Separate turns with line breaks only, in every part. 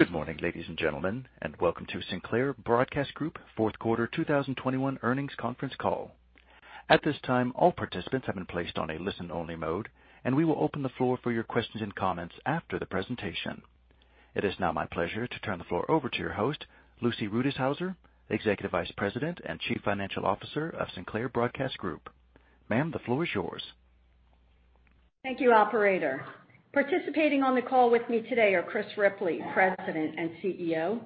Good morning, ladies and gentlemen, and welcome to Sinclair Broadcast Group fourth quarter 2021 earnings conference call. At this time, all participants have been placed on a listen-only mode, and we will open the floor for your questions and comments after the presentation. It is now my pleasure to turn the floor over to your host, Lucy Rutishauser, Executive Vice President and Chief Financial Officer of Sinclair Broadcast Group. Ma'am, the floor is yours.
Thank you, operator. Participating on the call with me today are Chris Ripley, President and CEO,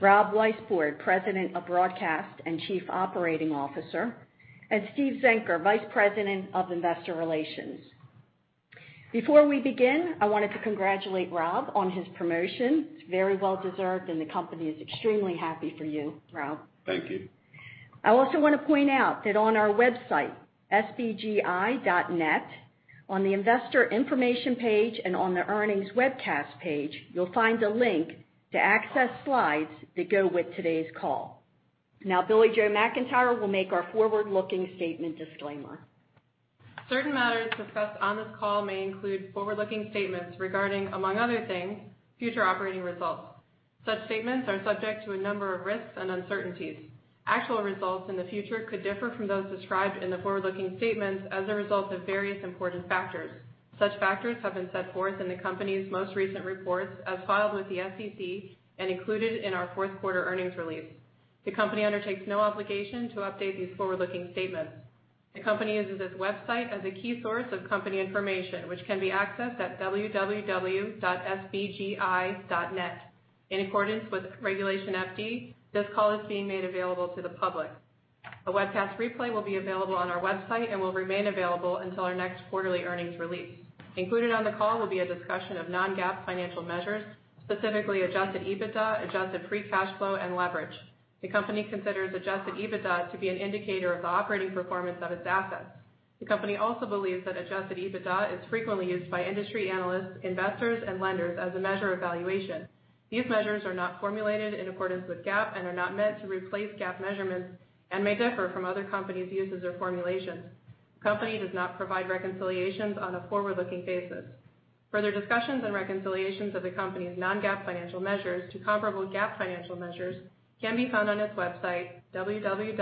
Rob Weisbord, President of Broadcast and Chief Operating Officer, and Steven Zenker, Vice President of Investor Relations. Before we begin, I wanted to congratulate Rob on his promotion. It's very well deserved, and the company is extremely happy for you, Rob.
Thank you.
I also wanna point out that on our website, sbgi.net, on the investor information page and on the earnings webcast page, you'll find a link to access slides that go with today's call. Now, Billie-Jo McIntire will make our forward-looking statement disclaimer.
Certain matters discussed on this call may include forward-looking statements regarding, among other things, future operating results. Such statements are subject to a number of risks and uncertainties. Actual results in the future could differ from those described in the forward-looking statements as a result of various important factors. Such factors have been set forth in the company's most recent reports as filed with the SEC and included in our fourth quarter earnings release. The company undertakes no obligation to update these forward-looking statements. The company uses its website as a key source of company information, which can be accessed at www.sbgi.net. In accordance with Regulation FD, this call is being made available to the public. A webcast replay will be available on our website and will remain available until our next quarterly earnings release. Included on the call will be a discussion of non-GAAP financial measures, specifically adjusted EBITDA, adjusted free cash flow, and leverage. The company considers adjusted EBITDA to be an indicator of the operating performance of its assets. The company also believes that adjusted EBITDA is frequently used by industry analysts, investors, and lenders as a measure of valuation. These measures are not formulated in accordance with GAAP and are not meant to replace GAAP measurements and may differ from other companies' uses or formulations. The company does not provide reconciliations on a forward-looking basis. Further discussions and reconciliations of the company's non-GAAP financial measures to comparable GAAP financial measures can be found on its website, www.sbgi.net.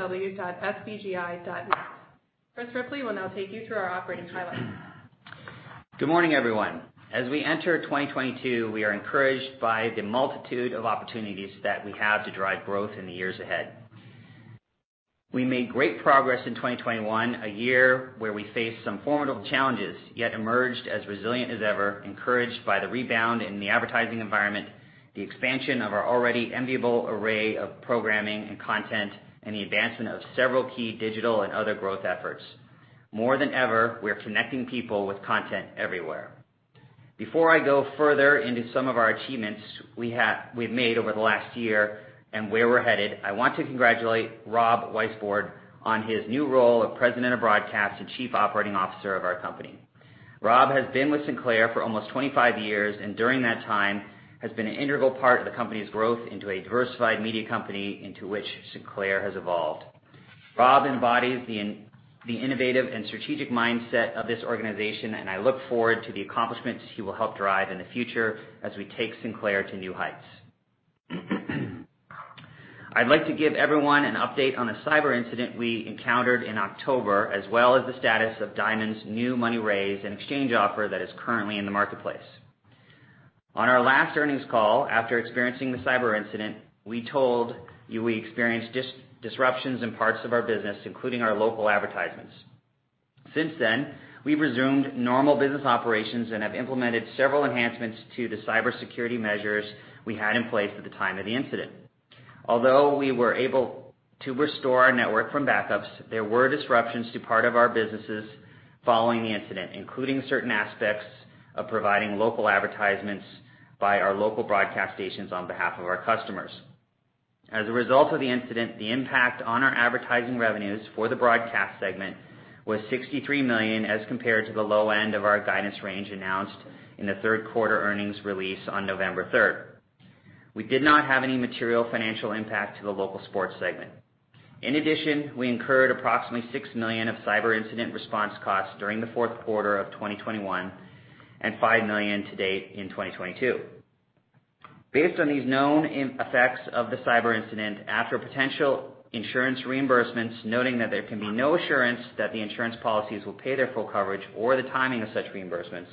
Chris Ripley will now take you through our operating highlights.
Good morning, everyone. As we enter 2022, we are encouraged by the multitude of opportunities that we have to drive growth in the years ahead. We made great progress in 2021, a year where we faced some formidable challenges, yet emerged as resilient as ever, encouraged by the rebound in the advertising environment, the expansion of our already enviable array of programming and content, and the advancement of several key digital and other growth efforts. More than ever, we are connecting people with content everywhere. Before I go further into some of our achievements we've made over the last year and where we're headed, I want to congratulate Rob Weisbord on his new role of President of Broadcast and Chief Operating Officer of our company. Rob has been with Sinclair for almost 25 years, and during that time has been an integral part of the company's growth into a diversified media company into which Sinclair has evolved. Rob embodies the innovative and strategic mindset of this organization, and I look forward to the accomplishments he will help drive in the future as we take Sinclair to new heights. I'd like to give everyone an update on a cyber incident we encountered in October, as well as the status of Diamond's new money raise and exchange offer that is currently in the marketplace. On our last earnings call, after experiencing the cyber incident, we told you we experienced disruptions in parts of our business, including our local advertisements. Since then, we've resumed normal business operations and have implemented several enhancements to the cybersecurity measures we had in place at the time of the incident. Although we were able to restore our network from backups, there were disruptions to part of our businesses following the incident, including certain aspects of providing local advertisements by our local broadcast stations on behalf of our customers. As a result of the incident, the impact on our advertising revenues for the broadcast segment was $63 million as compared to the low end of our guidance range announced in the third quarter earnings release on November 3rd. We did not have any material financial impact to the local sports segment. In addition, we incurred approximately $6 million of cyber incident response costs during the fourth quarter of 2021 and $5 million to date in 2022. Based on these known effects of the cyber incident after potential insurance reimbursements, noting that there can be no assurance that the insurance policies will pay their full coverage or the timing of such reimbursements,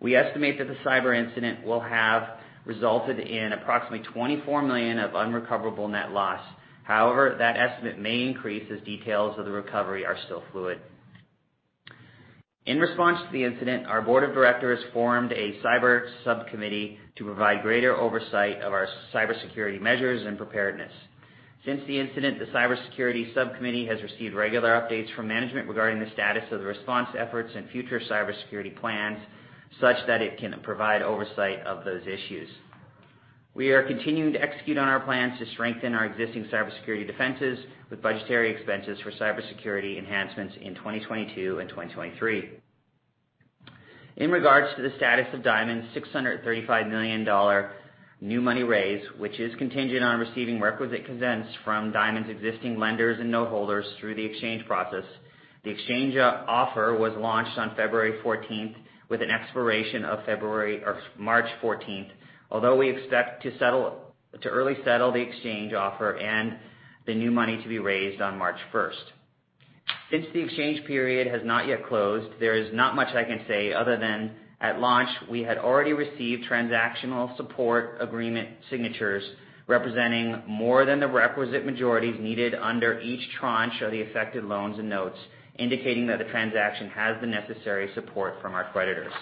we estimate that the cyber incident will have resulted in approximately $24 million of unrecoverable net loss. However, that estimate may increase as details of the recovery are still fluid. In response to the incident, our board of directors formed a cyber subcommittee to provide greater oversight of our cybersecurity measures and preparedness. Since the incident, the cybersecurity subcommittee has received regular updates from management regarding the status of the response efforts and future cybersecurity plans such that it can provide oversight of those issues. We are continuing to execute on our plans to strengthen our existing cybersecurity defenses with budgetary expenses for cybersecurity enhancements in 2022 and 2023. In regards to the status of Diamond's $635 million new money raise, which is contingent on receiving requisite consents from Diamond's existing lenders and note holders through the exchange process, the exchange offer was launched on February 14th, with an expiration of February or March 14th. Although we expect to early settle the exchange offer and the new money to be raised on March 1st. Since the exchange period has not yet closed, there is not much I can say other than at launch, we had already received transactional support agreement signatures representing more than the requisite majorities needed under each tranche of the affected loans and notes, indicating that the transaction has the necessary support from our creditors.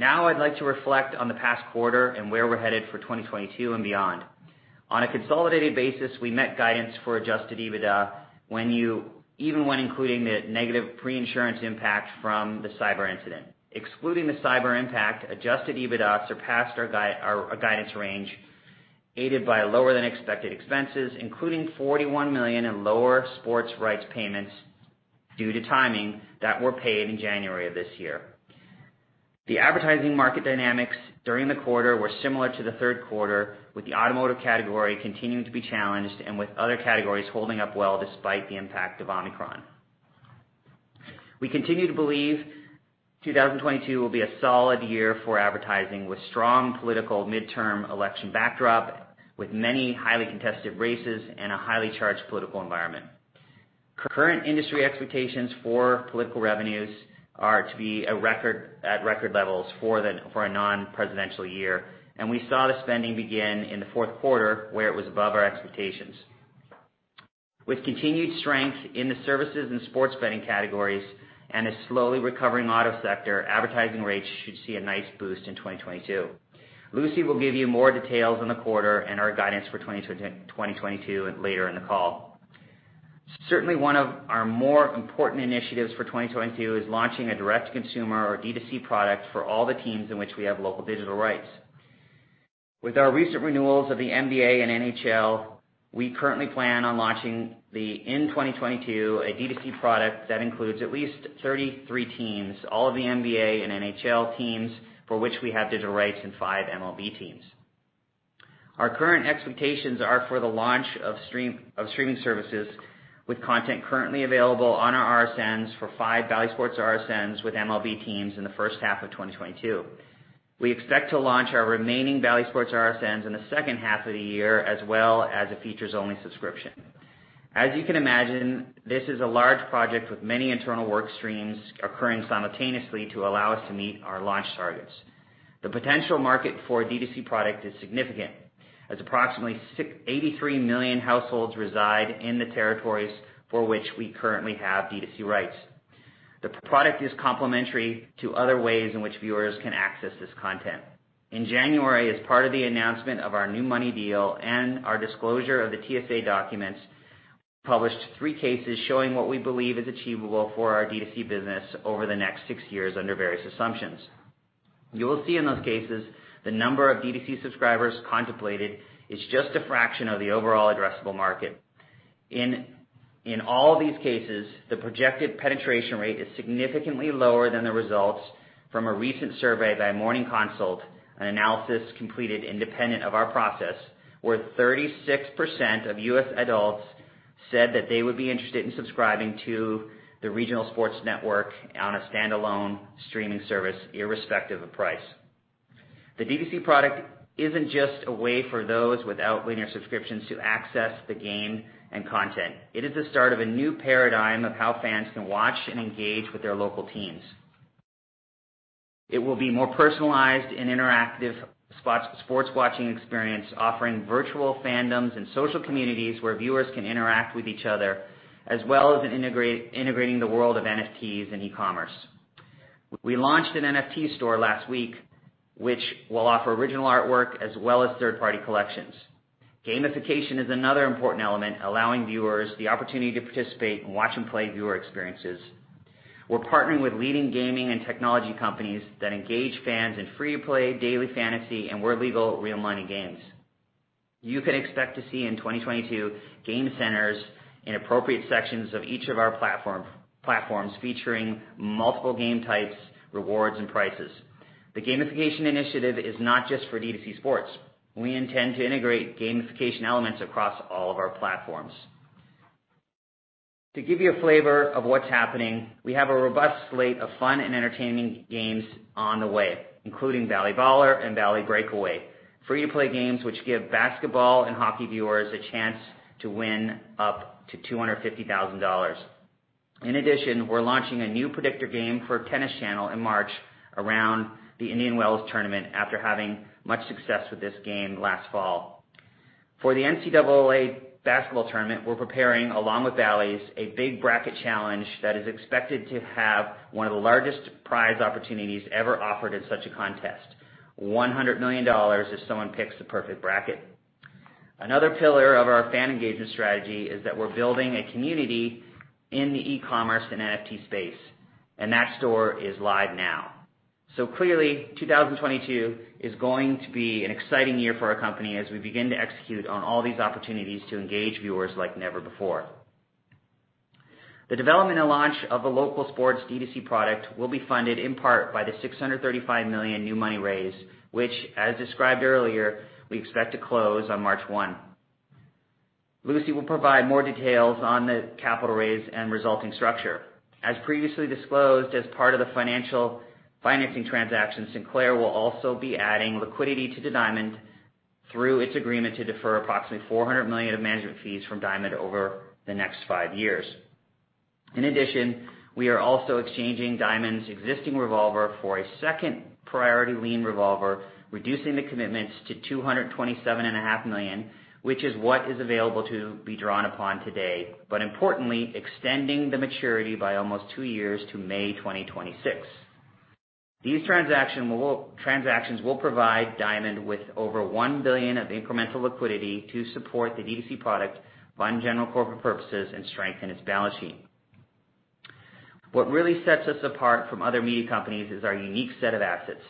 Now I'd like to reflect on the past quarter and where we're headed for 2022 and beyond. On a consolidated basis, we met guidance for adjusted EBITDA even when including the negative pre-insurance impact from the cyber incident. Excluding the cyber impact, adjusted EBITDA surpassed our guidance range, aided by lower than expected expenses, including $41 million in lower sports rights payments due to timing that were paid in January of this year. The advertising market dynamics during the quarter were similar to the third quarter, with the automotive category continuing to be challenged and with other categories holding up well despite the impact of Omicron. We continue to believe 2022 will be a solid year for advertising with strong political midterm election backdrop, with many highly contested races and a highly charged political environment. Current industry expectations for political revenues are to be at record levels for a non-presidential year, and we saw the spending begin in the fourth quarter, where it was above our expectations. With continued strength in the services and sports betting categories and a slowly recovering auto sector, advertising rates should see a nice boost in 2022. Lucy will give you more details on the quarter and our guidance for 2022 later in the call. Certainly one of our more important initiatives for 2022 is launching a direct-to-consumer or D2C product for all the teams in which we have local digital rights. With our recent renewals of the NBA and NHL, we currently plan on launching in 2022 a D2C product that includes at least 33 teams, all of the NBA and NHL teams for which we have digital rights and five MLB teams. Our current expectations are for the launch of streaming services with content currently available on our RSNs for five Bally Sports RSNs with MLB teams in the first half of 2022. We expect to launch our remaining Bally Sports RSNs in the second half of the year, as well as a features-only subscription. As you can imagine, this is a large project with many internal work streams occurring simultaneously to allow us to meet our launch targets. The potential market for a D2C product is significant, as approximately 63 million households reside in the territories for which we currently have D2C rights. The product is complementary to other ways in which viewers can access this content. In January, as part of the announcement of our new money deal and our disclosure of the TSA documents, we published three cases showing what we believe is achievable for our D2C business over the next six years under various assumptions. You will see in those cases, the number of D2C subscribers contemplated is just a fraction of the overall addressable market. In all these cases, the projected penetration rate is significantly lower than the results from a recent survey by Morning Consult, an analysis completed independent of our process, where 36% of U.S. adults said that they would be interested in subscribing to the regional sports network on a standalone streaming service, irrespective of price. The D2C product isn't just a way for those without linear subscriptions to access the game and content. It is the start of a new paradigm of how fans can watch and engage with their local teams. It will be more personalized and interactive sports watching experience offering virtual fandoms and social communities where viewers can interact with each other, as well as integrating the world of NFTs and e-commerce. We launched an NFT store last week, which will offer original artwork as well as third-party collections. Gamification is another important element, allowing viewers the opportunity to participate in watch and play viewer experiences. We're partnering with leading gaming and technology companies that engage fans in free-to-play daily fantasy and where legal real money games. You can expect to see in 2022 game centers in appropriate sections of each of our platforms featuring multiple game types, rewards, and prizes. The gamification initiative is not just for D2C sports. We intend to integrate gamification elements across all of our platforms. To give you a flavor of what's happening, we have a robust slate of fun and entertaining games on the way, including Bally Baller and Bally Breakaway. Free-to-play games which give basketball and hockey viewers a chance to win up to $250,000. In addition, we're launching a new predictor game for Tennis Channel in March around the Indian Wells tournament after having much success with this game last fall. For the NCAA basketball tournament, we're preparing, along with Bally's, a big bracket challenge that is expected to have one of the largest prize opportunities ever offered in such a contest. $100 million if someone picks the perfect bracket. Another pillar of our fan engagement strategy is that we're building a community in the e-commerce and NFT space, and that store is live now. Clearly, 2022 is going to be an exciting year for our company as we begin to execute on all these opportunities to engage viewers like never before. The development and launch of the local sports D2C product will be funded in part by the $635 million new money raised, which, as described earlier, we expect to close on March 1. Lucy will provide more details on the capital raise and resulting structure. As previously disclosed, as part of the financial financing transaction, Sinclair will also be adding liquidity to the Diamond through its agreement to defer approximately $400 million of management fees from Diamond over the next five years. In addition, we are also exchanging Diamond's existing revolver for a second priority lien revolver, reducing the commitments to $227.5 million, which is what is available to be drawn upon today, but importantly, extending the maturity by almost two years to May 2026. These transactions will provide Diamond with over $1 billion of incremental liquidity to support the D2C product, fund general corporate purposes, and strengthen its balance sheet. What really sets us apart from other media companies is our unique set of assets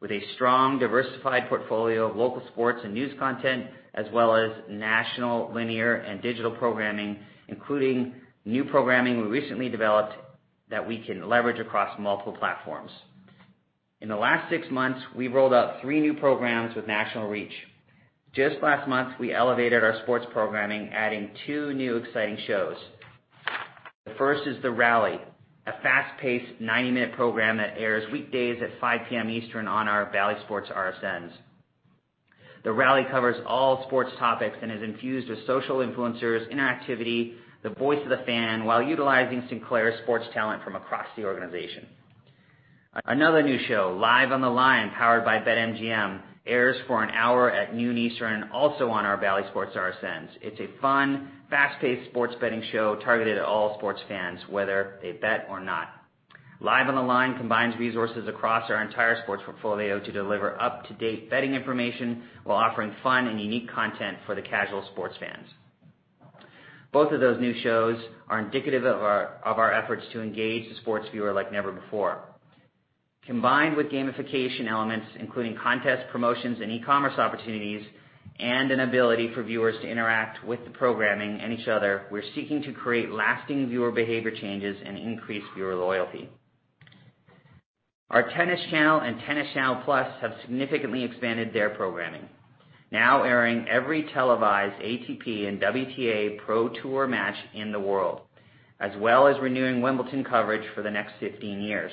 with a strong, diversified portfolio of local sports and news content, as well as national linear and digital programming, including new programming we recently developed that we can leverage across multiple platforms. In the last six months, we've rolled out three new programs with national reach. Just last month, we elevated our sports programming, adding two new exciting shows. The first is The Rally, a fast-paced 90-minute program that airs weekdays at 5:00 P.M. Eastern on our Bally Sports RSNs. The Rally covers all sports topics and is infused with social influencers, interactivity, the voice of the fan, while utilizing Sinclair's sports talent from across the organization. Another new show, Live on the Line, powered by BetMGM, airs for an hour at noon Eastern, also on our Bally Sports RSNs. It's a fun, fast-paced sports betting show targeted at all sports fans, whether they bet or not. Live on the Line combines resources across our entire sports portfolio to deliver up-to-date betting information while offering fun and unique content for the casual sports fans. Both of those new shows are indicative of our efforts to engage the sports viewer like never before. Combined with gamification elements, including contests, promotions, and e-commerce opportunities, and an ability for viewers to interact with the programming and each other, we're seeking to create lasting viewer behavior changes and increase viewer loyalty. Our Tennis Channel and Tennis Channel+ have significantly expanded their programming, now airing every televised ATP and WTA Pro Tour match in the world, as well as renewing Wimbledon coverage for the next 15 years.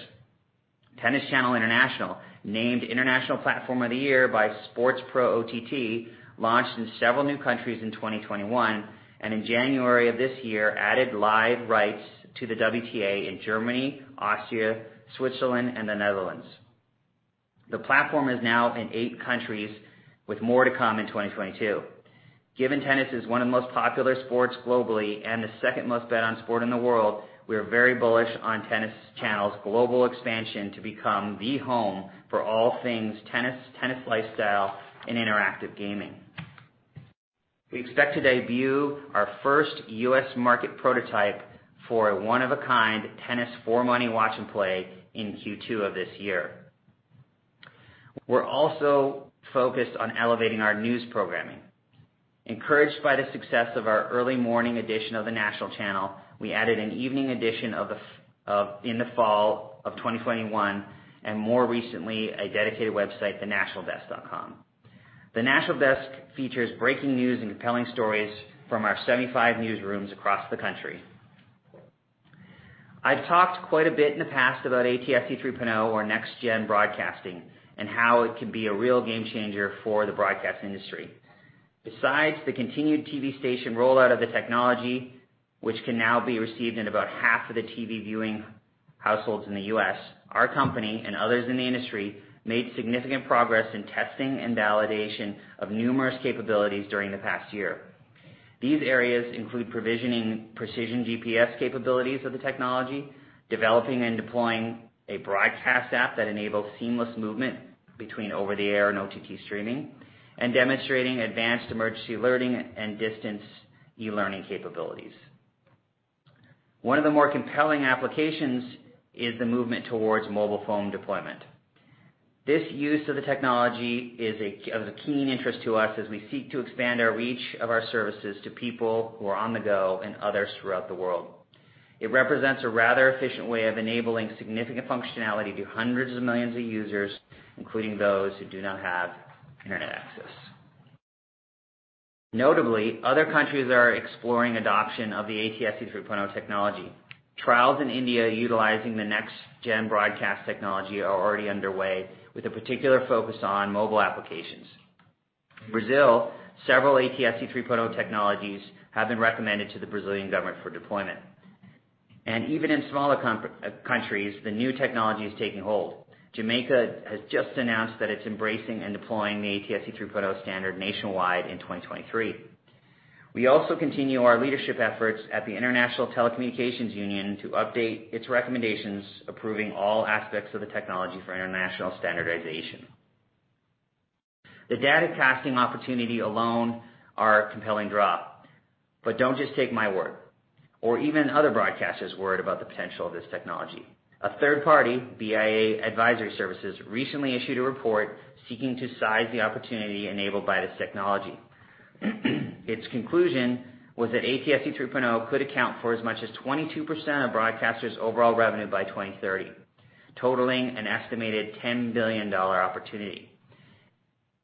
Tennis Channel International, named International Platform of the Year by SportsPro OTT, launched in several new countries in 2021, and in January of this year, added live rights to the WTA in Germany, Austria, Switzerland, and the Netherlands. The platform is now in eight countries, with more to come in 2022. Given tennis is one of the most popular sports globally and the second-most betted-on sport in the world, we are very bullish on Tennis Channel's global expansion to become the home for all things tennis lifestyle, and interactive gaming. We expect to debut our first U.S. market prototype for a one-of-a-kind tennis for money watch and play in Q2 of this year. We're also focused on elevating our news programming. Encouraged by the success of our early morning edition of the national channel, we added an evening edition of The National Desk in the fall of 2021, and more recently, a dedicated website, thenationaldesk.com. The National Desk features breaking news and compelling stories from our 75 newsrooms across the country. I've talked quite a bit in the past about ATSC 3.0 or NextGen broadcasting and how it can be a real game changer for the broadcast industry. Besides the continued TV station rollout of the technology, which can now be received in about half of the TV-viewing households in the U.S., our company and others in the industry made significant progress in testing and validation of numerous capabilities during the past year. These areas include provisioning precision GPS capabilities of the technology, developing and deploying a broadcast app that enables seamless movement between over-the-air and OTT streaming, and demonstrating advanced emergency alerting and distance e-learning capabilities. One of the more compelling applications is the movement towards mobile phone deployment. This use of the technology is of a keen interest to us as we seek to expand our reach of our services to people who are on the go and others throughout the world. It represents a rather efficient way of enabling significant functionality to hundreds of millions of users, including those who do not have internet access. Notably, other countries are exploring adoption of the ATSC 3.0 technology. Trials in India utilizing the next-gen broadcast technology are already underway, with a particular focus on mobile applications. In Brazil, several ATSC 3.0 technologies have been recommended to the Brazilian government for deployment. Even in smaller countries, the new technology is taking hold. Jamaica has just announced that it's embracing and deploying the ATSC 3.0 standard nationwide in 2023. We also continue our leadership efforts at the International Telecommunication Union to update its recommendations, approving all aspects of the technology for international standardization. The datacasting opportunity alone are a compelling proposition. Don't just take my word or even other broadcasters' word about the potential of this technology. A third party, BIA Advisory Services, recently issued a report seeking to size the opportunity enabled by this technology. Its conclusion was that ATSC 3.0 could account for as much as 22% of broadcasters' overall revenue by 2030, totaling an estimated $10 billion opportunity.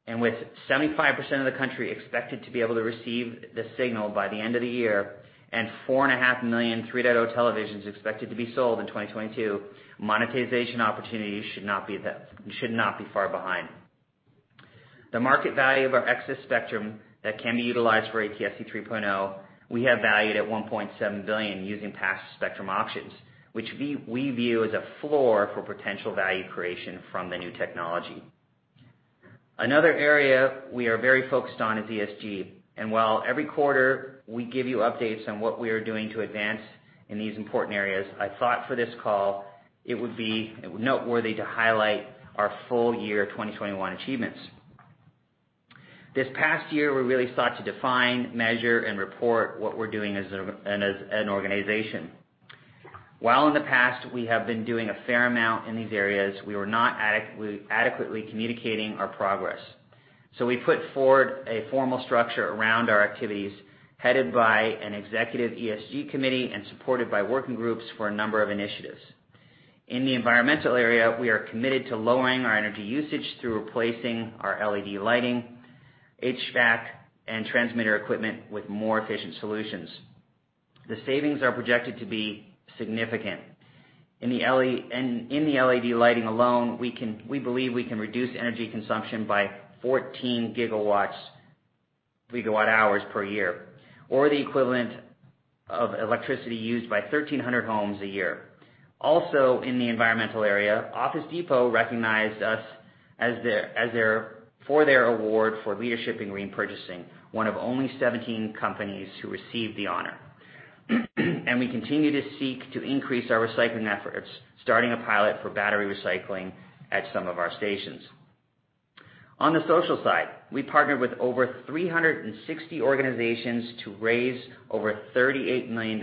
With 75% of the country expected to be able to receive the signal by the end of the year and 4.5 million ATSC 3.0 data televisions expected to be sold in 2022, monetization opportunities should not be far behind. The market value of our excess spectrum that can be utilized for ATSC 3.0, we have valued at $1.7 billion using past spectrum options, which we view as a floor for potential value creation from the new technology. Another area we are very focused on is ESG. While every quarter we give you updates on what we are doing to advance in these important areas, I thought for this call it would be noteworthy to highlight our full year 2021 achievements. This past year, we really sought to define, measure, and report what we're doing as an organization. While in the past we have been doing a fair amount in these areas, we were not adequately communicating our progress. We put forward a formal structure around our activities, headed by an executive ESG committee and supported by working groups for a number of initiatives. In the environmental area, we are committed to lowering our energy usage through replacing our LED lighting, HVAC, and transmitter equipment with more efficient solutions. The savings are projected to be significant. In the LED lighting alone, we believe we can reduce energy consumption by 14 GWh per year, or the equivalent of electricity used by 1,300 homes a year. Also, in the environmental area, Office Depot recognized us as their for their award for leadership in repurchasing, one of only 17 companies to receive the honor. We continue to seek to increase our recycling efforts, starting a pilot for battery recycling at some of our stations. On the social side, we partnered with over 360 organizations to raise over $38 million,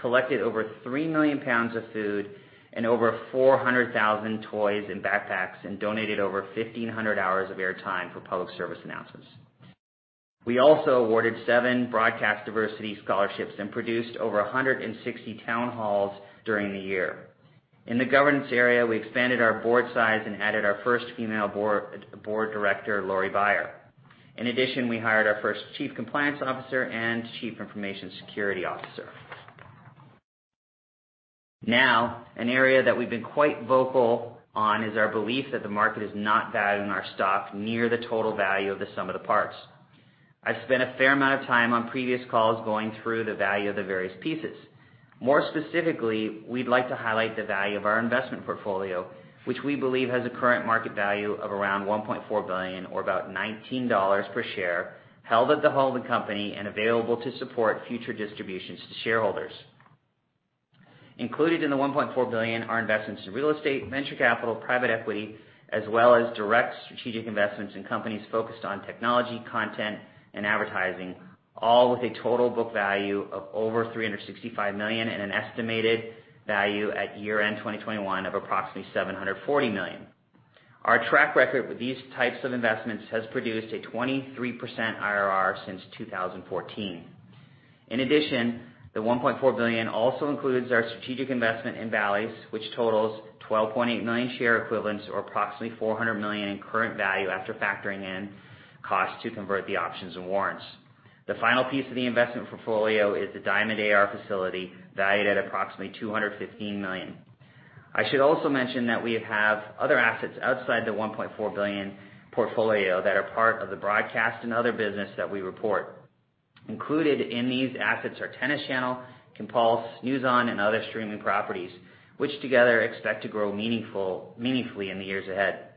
collected over 3 million pounds of food and over 400,000 toys and backpacks, and donated over 1,500 hours of air time for public service announcements. We also awarded seven broadcast diversity scholarships and produced over 160 town halls during the year. In the governance area, we expanded our board size and added our first female Board Director, Laurie R. Beyer. In addition, we hired our first chief compliance officer and chief information security officer. Now, an area that we've been quite vocal on is our belief that the market has not valued our stock near the total value of the sum of the parts. I've spent a fair amount of time on previous calls going through the value of the various pieces. More specifically, we'd like to highlight the value of our investment portfolio, which we believe has a current market value of around $1.4 billion or about $19 per share held at the holding company and available to support future distributions to shareholders. Included in the $1.4 billion are investments in real estate, venture capital, private equity, as well as direct strategic investments in companies focused on technology, content, and advertising, all with a total book value of over $365 million and an estimated value at year-end 2021 of approximately $740 million. Our track record with these types of investments has produced a 23% IRR since 2014. In addition, the $1.4 billion also includes our strategic investment in Valaris, which totals 12.8 million share equivalents or approximately $400 million in current value after factoring in costs to convert the options and warrants. The final piece of the investment portfolio is the Diamond AR facility, valued at approximately $215 million. I should also mention that we have other assets outside the $1.4 billion portfolio that are part of the broadcast and other business that we report. Included in these assets are Tennis Channel, Compulse, NewsON, and other streaming properties, which together expect to grow meaningfully in the years ahead.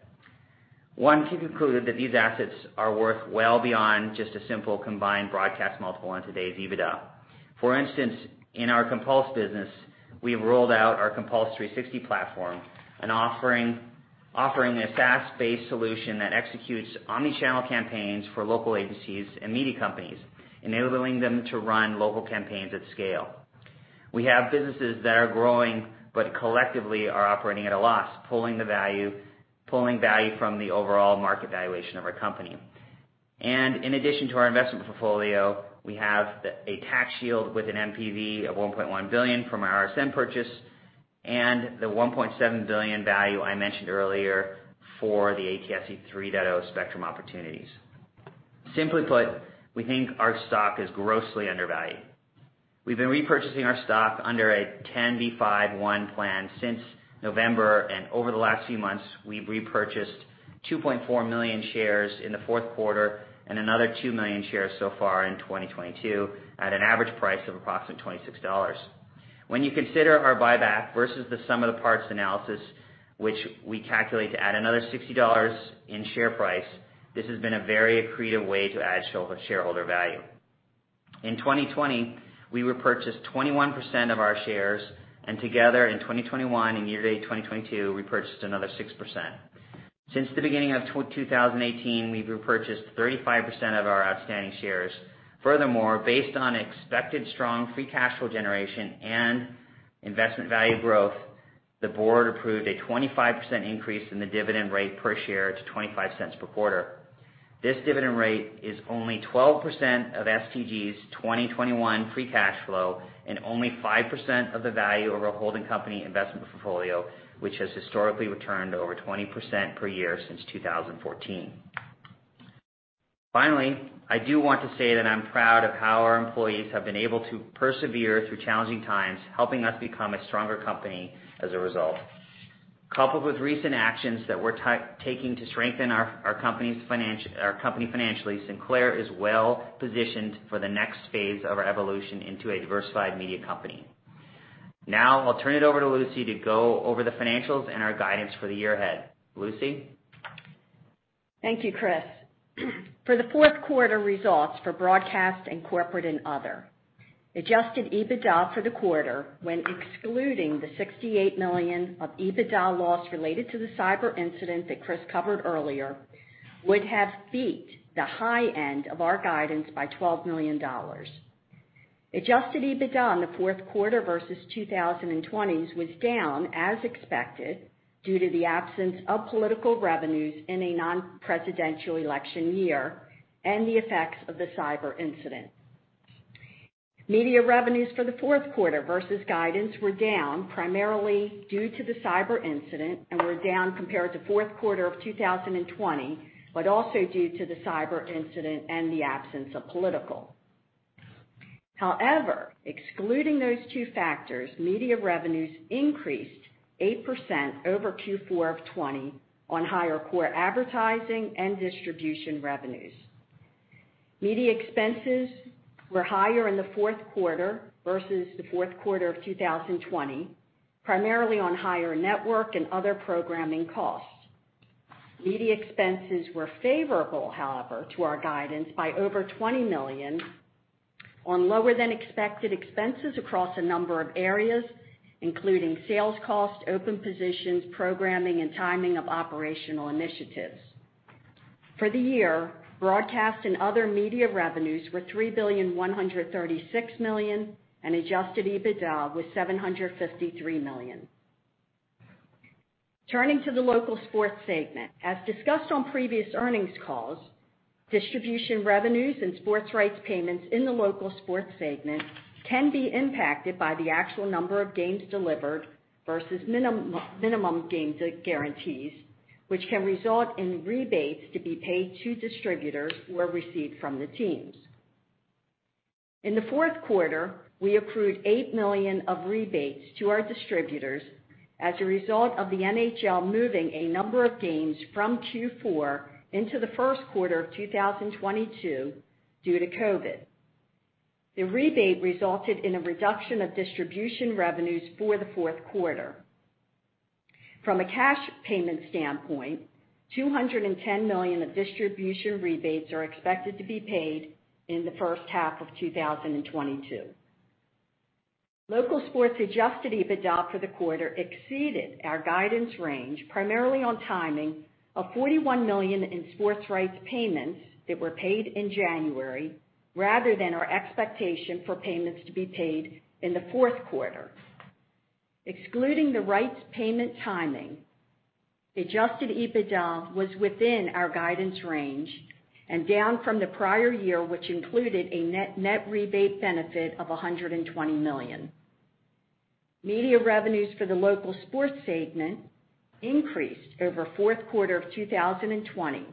One can conclude that these assets are worth well beyond just a simple combined broadcast multiple on today's EBITDA. For instance, in our Compulse business, we've rolled out our Compulse 360 platform and offering, a SaaS-based solution that executes omni-channel campaigns for local agencies and media companies, enabling them to run local campaigns at scale. We have businesses that are growing but collectively are operating at a loss, pulling value from the overall market valuation of our company. In addition to our investment portfolio, we have a tax shield with an NPV of $1.1 billion from our RSN purchase and the $1.7 billion value I mentioned earlier for the ATSC 3.0 spectrum opportunities. Simply put, we think our stock is grossly undervalued. We've been repurchasing our stock under a 10b5-1 plan since November, and over the last few months, we've repurchased 2.4 million shares in the fourth quarter and another 2 million shares so far in 2022 at an average price of approximately $26. When you consider our buyback versus the sum of the parts analysis, which we calculate to add another $60 in share price, this has been a very accretive way to add shareholder value. In 2020, we repurchased 21% of our shares, and together in 2021 and year-to-date 2022, repurchased another 6%. Since the beginning of 2018, we've repurchased 35% of our outstanding shares. Furthermore, based on expected strong free cash flow generation and investment value growth, the board approved a 25% increase in the dividend rate per share to $0.25 per quarter. This dividend rate is only 12% of STG's 2021 free cash flow and only 5% of the value of our holding company investment portfolio, which has historically returned over 20% per year since 2014. Finally, I do want to say that I'm proud of how our employees have been able to persevere through challenging times, helping us become a stronger company as a result. Coupled with recent actions that we're taking to strengthen our company financially, Sinclair is well-positioned for the next phase of our evolution into a diversified media company. Now I'll turn it over to Lucy to go over the financials and our guidance for the year ahead. Lucy?
Thank you, Chris. For the fourth quarter results for broadcast and corporate and other, adjusted EBITDA for the quarter, when excluding the $68 million of EBITDA loss related to the cyber incident that Chris covered earlier, would have beat the high end of our guidance by $12 million. Adjusted EBITDA in the fourth quarter versus 2020 was down as expected, due to the absence of political revenues in a non-presidential election year and the effects of the cyber incident. Media revenues for the fourth quarter versus guidance were down primarily due to the cyber incident and were down compared to fourth quarter of 2020, but also due to the cyber incident and the absence of political. However, excluding those two factors, media revenues increased 8% over Q4 of 2020 on higher core advertising and distribution revenues. Media expenses were higher in the fourth quarter versus the fourth quarter of 2020, primarily on higher network and other programming costs. Media expenses were favorable, however, to our guidance by over $20 million on lower than expected expenses across a number of areas, including sales costs, open positions, programming and timing of operational initiatives. For the year, broadcast and other media revenues were $3.136 billion, and adjusted EBITDA was $753 million. Turning to the local sports segment. As discussed on previous earnings calls, distribution revenues and sports rights payments in the local sports segment can be impacted by the actual number of games delivered versus minimum game guarantees, which can result in rebates to be paid to distributors or received from the teams. In the fourth quarter, we accrued $8 million of rebates to our distributors as a result of the NHL moving a number of games from Q4 into the first quarter of 2022 due to COVID. The rebate resulted in a reduction of distribution revenues for the fourth quarter. From a cash payment standpoint, $210 million of distribution rebates are expected to be paid in the first half of 2022. Local sports adjusted EBITDA for the quarter exceeded our guidance range, primarily on timing of $41 million in sports rights payments that were paid in January, rather than our expectation for payments to be paid in the fourth quarter. Excluding the rights payment timing, adjusted EBITDA was within our guidance range and down from the prior year, which included a net rebate benefit of $120 million. Media revenues for the local sports segment increased over fourth quarter of 2020.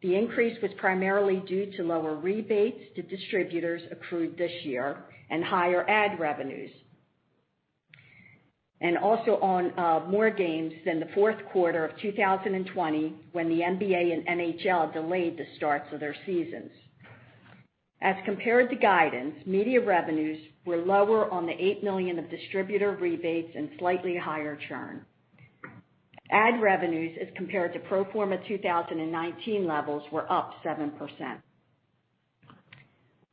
The increase was primarily due to lower rebates to distributors accrued this year, higher ad revenues, and more games than the fourth quarter of 2020 when the NBA and NHL delayed the starts of their seasons. As compared to guidance, media revenues were lower on the $8 million of distributor rebates and slightly higher churn. Ad revenues as compared to pro forma 2019 levels were up 7%.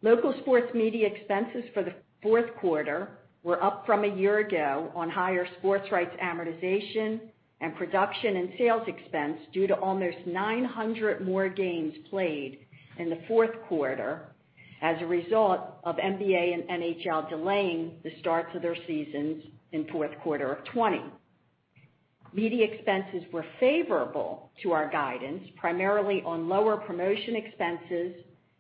Local sports media expenses for the fourth quarter were up from a year ago on higher sports rights amortization and production and sales expense due to almost 900 more games played in the fourth quarter as a result of NBA and NHL delaying the starts of their seasons in fourth quarter of 2020. Media expenses were favorable to our guidance, primarily on lower promotion expenses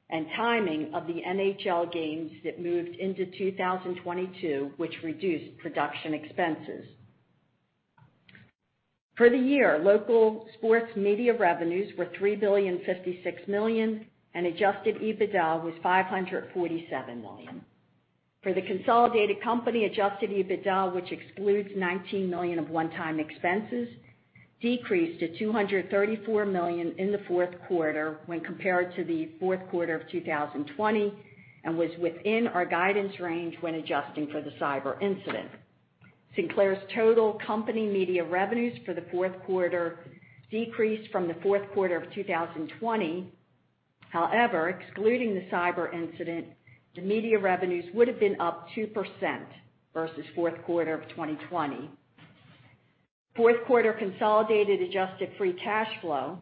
and timing of the NHL games that moved into 2022, which reduced production expenses. For the year, local sports media revenues were $3.056 billion, and adjusted EBITDA was $547 million. For the consolidated company, adjusted EBITDA, which excludes $19 million of one-time expenses, decreased to $234 million in the fourth quarter when compared to the fourth quarter of 2020, and was within our guidance range when adjusting for the cyber incident. Sinclair's total company media revenues for the fourth quarter decreased from the fourth quarter of 2020. However, excluding the cyber incident, the media revenues would have been up 2% versus fourth quarter of 2020. Fourth quarter consolidated adjusted free cash flow,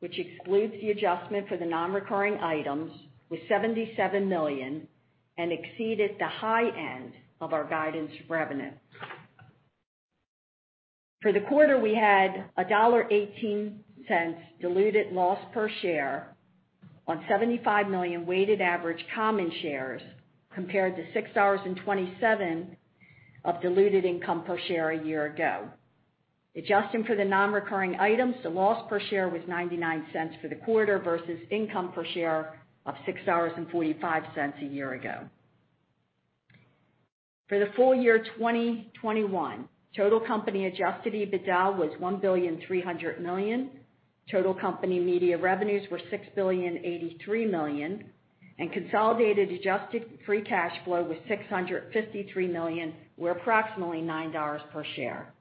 which excludes the adjustment for the non-recurring items, was $77 million and exceeded the high end of our guidance revenue. For the quarter, we had a $1.18 diluted loss per share on 75 million weighted average common shares, compared to $6.27 of diluted income per share a year ago. Adjusting for the non-recurring items, the loss per share was $0.99 for the quarter versus income per share of $6.45 a year ago. For the full year 2021, total company adjusted EBITDA was $1.3 billion. Total company media revenues were $6.083 billion, and consolidated adjusted free cash flow was $653 million, or approximately $9 per share.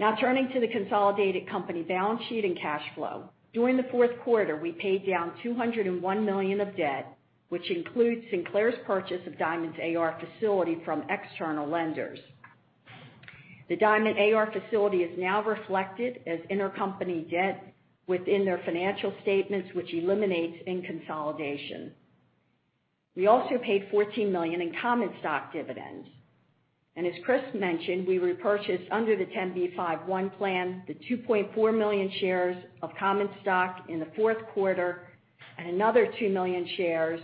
Now turning to the consolidated company balance sheet and cash flow. During the fourth quarter, we paid down $201 million of debt, which includes Sinclair's purchase of Diamond's AR facility from external lenders. The Diamond AR facility is now reflected as intercompany debt within their financial statements, which eliminates in consolidation. We also paid $14 million in common stock dividends. As Chris mentioned, we repurchased under the 10b5-1 plan, the 2.4 million shares of common stock in the fourth quarter and another 2 million shares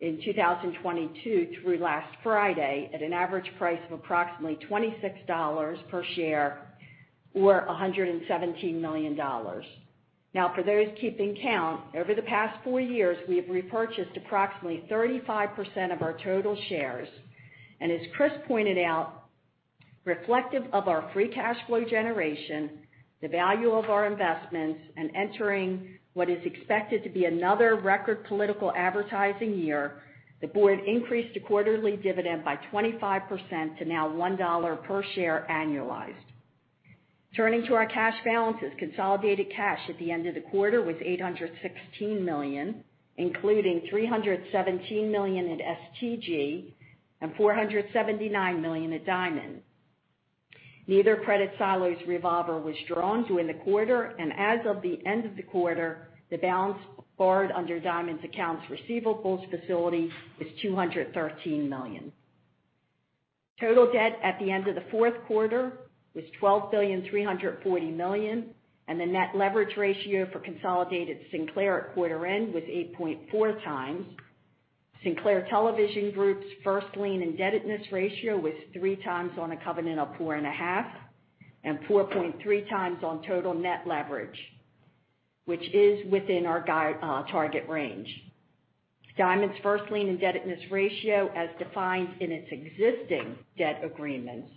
in 2022 through last Friday at an average price of approximately $26 per share or $117 million. Now, for those keeping count, over the past four years, we have repurchased approximately 35% of our total shares. As Chris pointed out, reflective of our free cash flow generation, the value of our investments, and entering what is expected to be another record political advertising year, the board increased the quarterly dividend by 25% to now $1 per share annualized. Turning to our cash balances, consolidated cash at the end of the quarter was $816 million, including $317 million in STG and $479 million at Diamond. Neither Sinclair's revolver was drawn during the quarter, and as of the end of the quarter, the balance borrowed under Diamond's accounts receivable facility is $213 million. Total debt at the end of the fourth quarter was $12.34 billion, and the net leverage ratio for consolidated Sinclair at quarter end was 8.4 times. Sinclair Television Group's first lien indebtedness ratio was 3x on a covenant of 4.5, and 4.3x on total net leverage, which is within our guide, target range. Diamond's first lien indebtedness ratio, as defined in its existing debt agreements,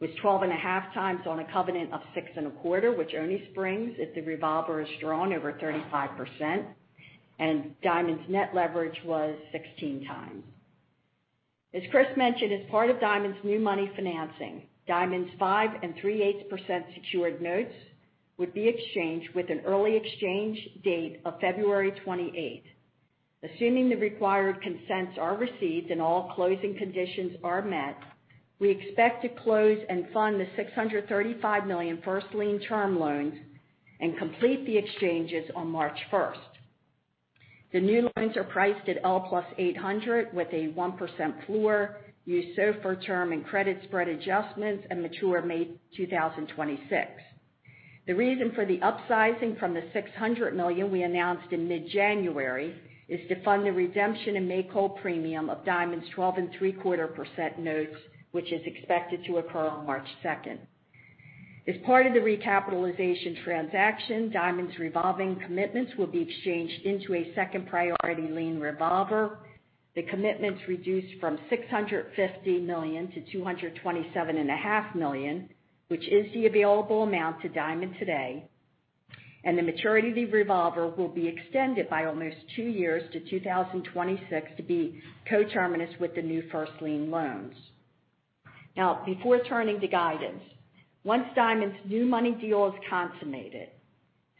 was 12.5x on a covenant of 6.25, which only springs if the revolver is drawn over 35%, and Diamond's net leverage was 16x. As Chris mentioned, as part of Diamond's new money financing, Diamond's 5 3/8% secured notes would be exchanged with an early exchange date of February 28. Assuming the required consents are received and all closing conditions are met, we expect to close and fund the $635 million first lien term loans and complete the exchanges on March 1st. The new loans are priced at L + 800 with a 1% floor, use SOFR term and credit spread adjustments, and mature May 2026. The reason for the upsizing from the $600 million we announced in mid-January is to fund the redemption and make-whole premium of Diamond's 12¾% notes, which is expected to occur on March 2. As part of the recapitalization transaction, Diamond's revolving commitments will be exchanged into a second priority lien revolver. The commitments reduce from $650 million-$227.5 million, which is the available amount to Diamond today, and the maturity of the revolver will be extended by almost two years to 2026 to be co-terminus with the new first lien loans. Now, before turning to guidance, once Diamond's new money deal is consummated,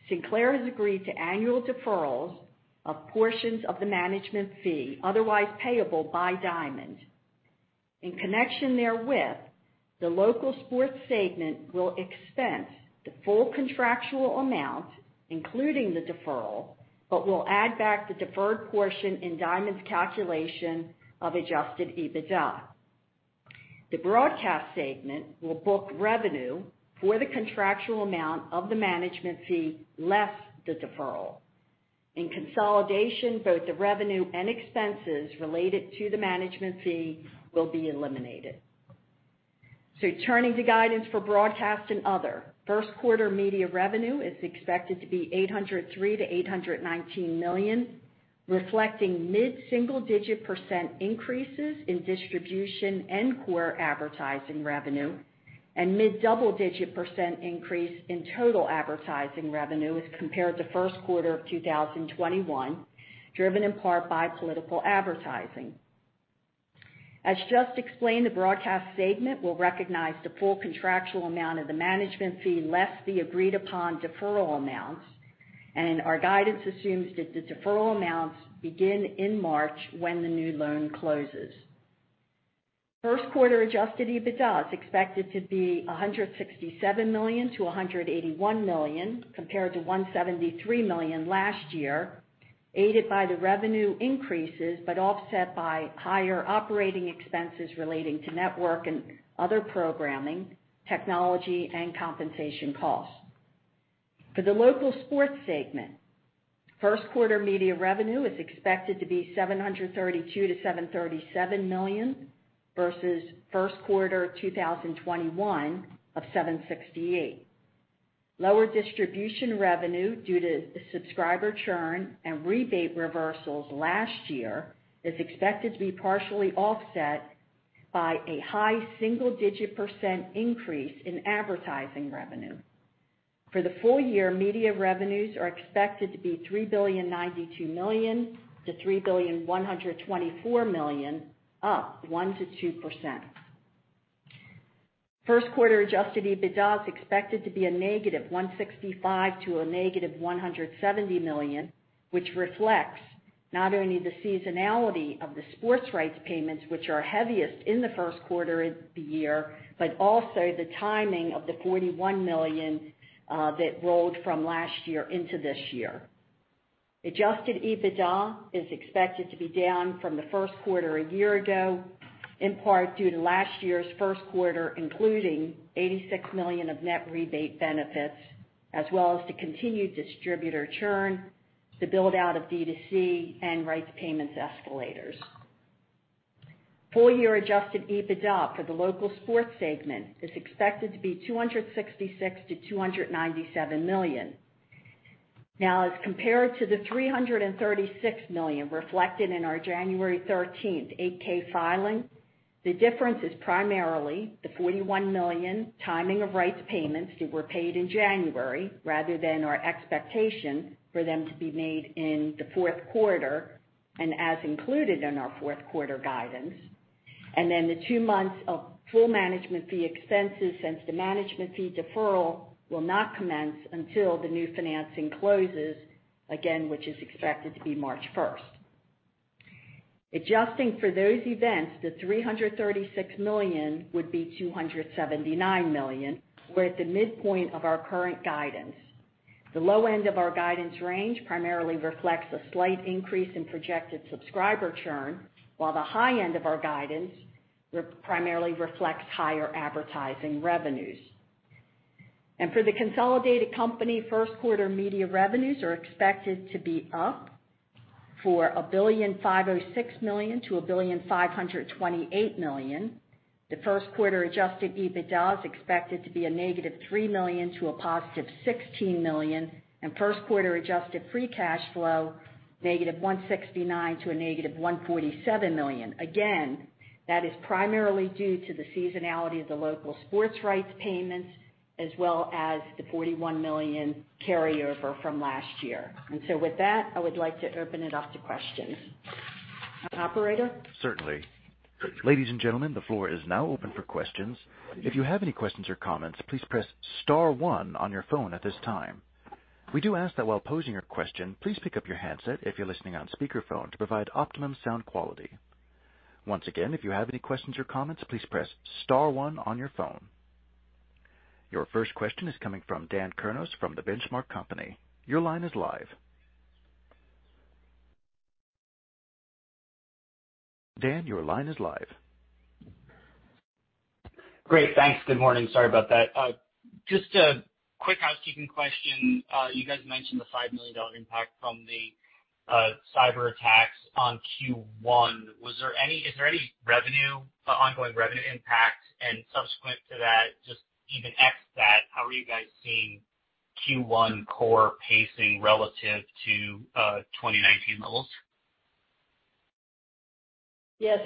Sinclair has agreed to annual deferrals of portions of the management fee otherwise payable by Diamond. In connection therewith, the local sports segment will expense the full contractual amount, including the deferral, but will add back the deferred portion in Diamond's calculation of adjusted EBITDA. The broadcast segment will book revenue for the contractual amount of the management fee, less the deferral. In consolidation, both the revenue and expenses related to the management fee will be eliminated. Turning to guidance for broadcast and other. First quarter media revenue is expected to be $803 million-$819 million, reflecting mid-single-digit% increases in distribution and core advertising revenue. Mid-double-digit% increase in total advertising revenue as compared to first quarter of 2021, driven in part by political advertising. As just explained, the broadcast segment will recognize the full contractual amount of the management fee less the agreed upon deferral amounts, and our guidance assumes that the deferral amounts begin in March when the new loan closes. First quarter adjusted EBITDA is expected to be $167 million-$181 million compared to $173 million last year, aided by the revenue increases but offset by higher operating expenses relating to network and other programming, technology, and compensation costs. For the local sports segment, first quarter media revenue is expected to be $732 million-$737 million versus first quarter 2021 of $768 million. Lower distribution revenue due to subscriber churn and rebate reversals last year is expected to be partially offset by a high single-digit % increase in advertising revenue. For the full year, media revenues are expected to be $3.092 billion-$3.124 billion, up 1%-2%. First quarter adjusted EBITDA is expected to be -$165 million to -$170 million, which reflects not only the seasonality of the sports rights payments which are heaviest in the first quarter of the year, but also the timing of the $41 million that rolled from last year into this year. Adjusted EBITDA is expected to be down from the first quarter a year ago, in part due to last year's first quarter, including $86 million of net rebate benefits as well as the continued distributor churn, the build-out of D2C and rights payments escalators. Full year adjusted EBITDA for the local sports segment is expected to be $266 million-$297 million. Now as compared to the $336 million reflected in our January 13 8-K filing, the difference is primarily the $41 million timing of rights payments that were paid in January rather than our expectation for them to be made in the fourth quarter and as included in our fourth quarter guidance. The two months of full management fee expenses since the management fee deferral will not commence until the new financing closes, again, which is expected to be March 1st. Adjusting for those events, the $336 million would be $279 million. We're at the midpoint of our current guidance. The low end of our guidance range primarily reflects a slight increase in projected subscriber churn, while the high end of our guidance primarily reflects higher advertising revenues. For the consolidated company, first quarter media revenues are expected to be up $1.506 billion-$1.528 billion. The first quarter adjusted EBITDA is expected to be -$3 million to $16 million. First quarter adjusted free cash flow -$169 million to -$147 million. That is primarily due to the seasonality of the local sports rights payments as well as the $41 million carryover from last year. With that, I would like to open it up to questions. Operator?
Certainly. Ladies and gentlemen, the floor is now open for questions. If you have any questions or comments, please press star one on your phone at this time. We do ask that while posing your question, please pick up your handset if you're listening on speakerphone to provide optimum sound quality. Once again, if you have any questions or comments, please press star one on your phone. Your first question is coming from Dan Kurnos from The Benchmark Company. Your line is live. Dan, your line is live.
Great. Thanks. Good morning. Sorry about that. Just a quick housekeeping question. You guys mentioned the $5 million impact from the cyber attacks on Q1. Is there any ongoing revenue impact? Subsequent to that, just even ex that, how are you guys seeing Q1 core pacing relative to 2019 levels?
Dan,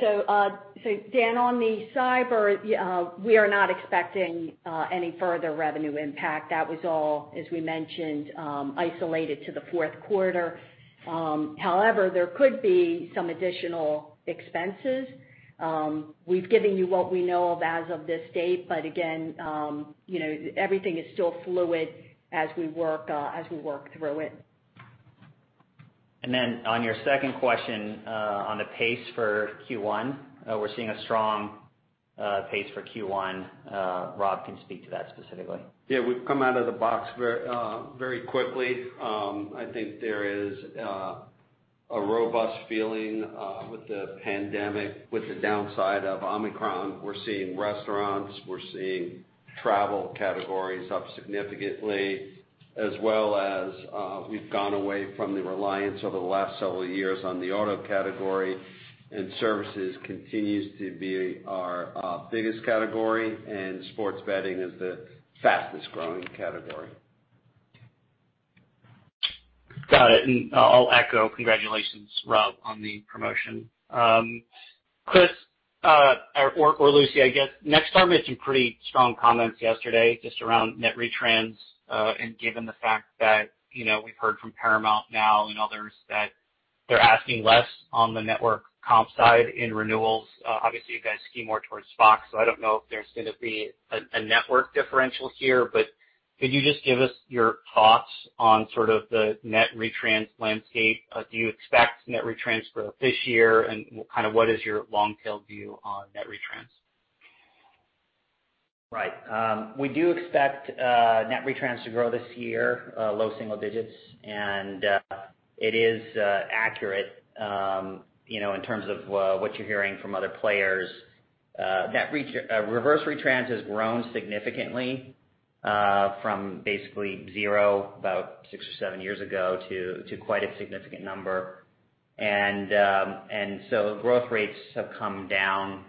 on the cyber, we are not expecting any further revenue impact. That was all, as we mentioned, isolated to the fourth quarter. However, there could be some additional expenses. We've given you what we know of as of this date, but again, you know, everything is still fluid as we work through it.
On your second question, on the pace for Q1, we're seeing a strong pace for Q1. Rob can speak to that specifically.
Yeah, we've come out of the box very quickly. I think there is a robust feeling with the pandemic, with the downside of Omicron. We're seeing restaurants, we're seeing travel categories up significantly, as well as, we've gone away from the reliance over the last several years on the auto category, and services continues to be our biggest category, and sports betting is the fastest growing category.
Got it. I'll echo congratulations, Rob, on the promotion. Chris, or Lucy, I guess Nexstar made some pretty strong comments yesterday just around net retrans, and given the fact that, you know, we've heard from Paramount now and others that they're asking less on the network comp side in renewals. Obviously you guys skew more towards Fox, so I don't know if there's gonna be a network differential here. Could you just give us your thoughts on sort of the net retrans landscape? Do you expect net retrans growth this year? Kind of what is your long-term view on net retrans?
Right. We do expect net retrans to grow this year, low single digits. It is accurate, you know, in terms of what you're hearing from other players. That reverse retrans has grown significantly from basically zero about six or seven years ago to quite a significant number. Growth rates have come down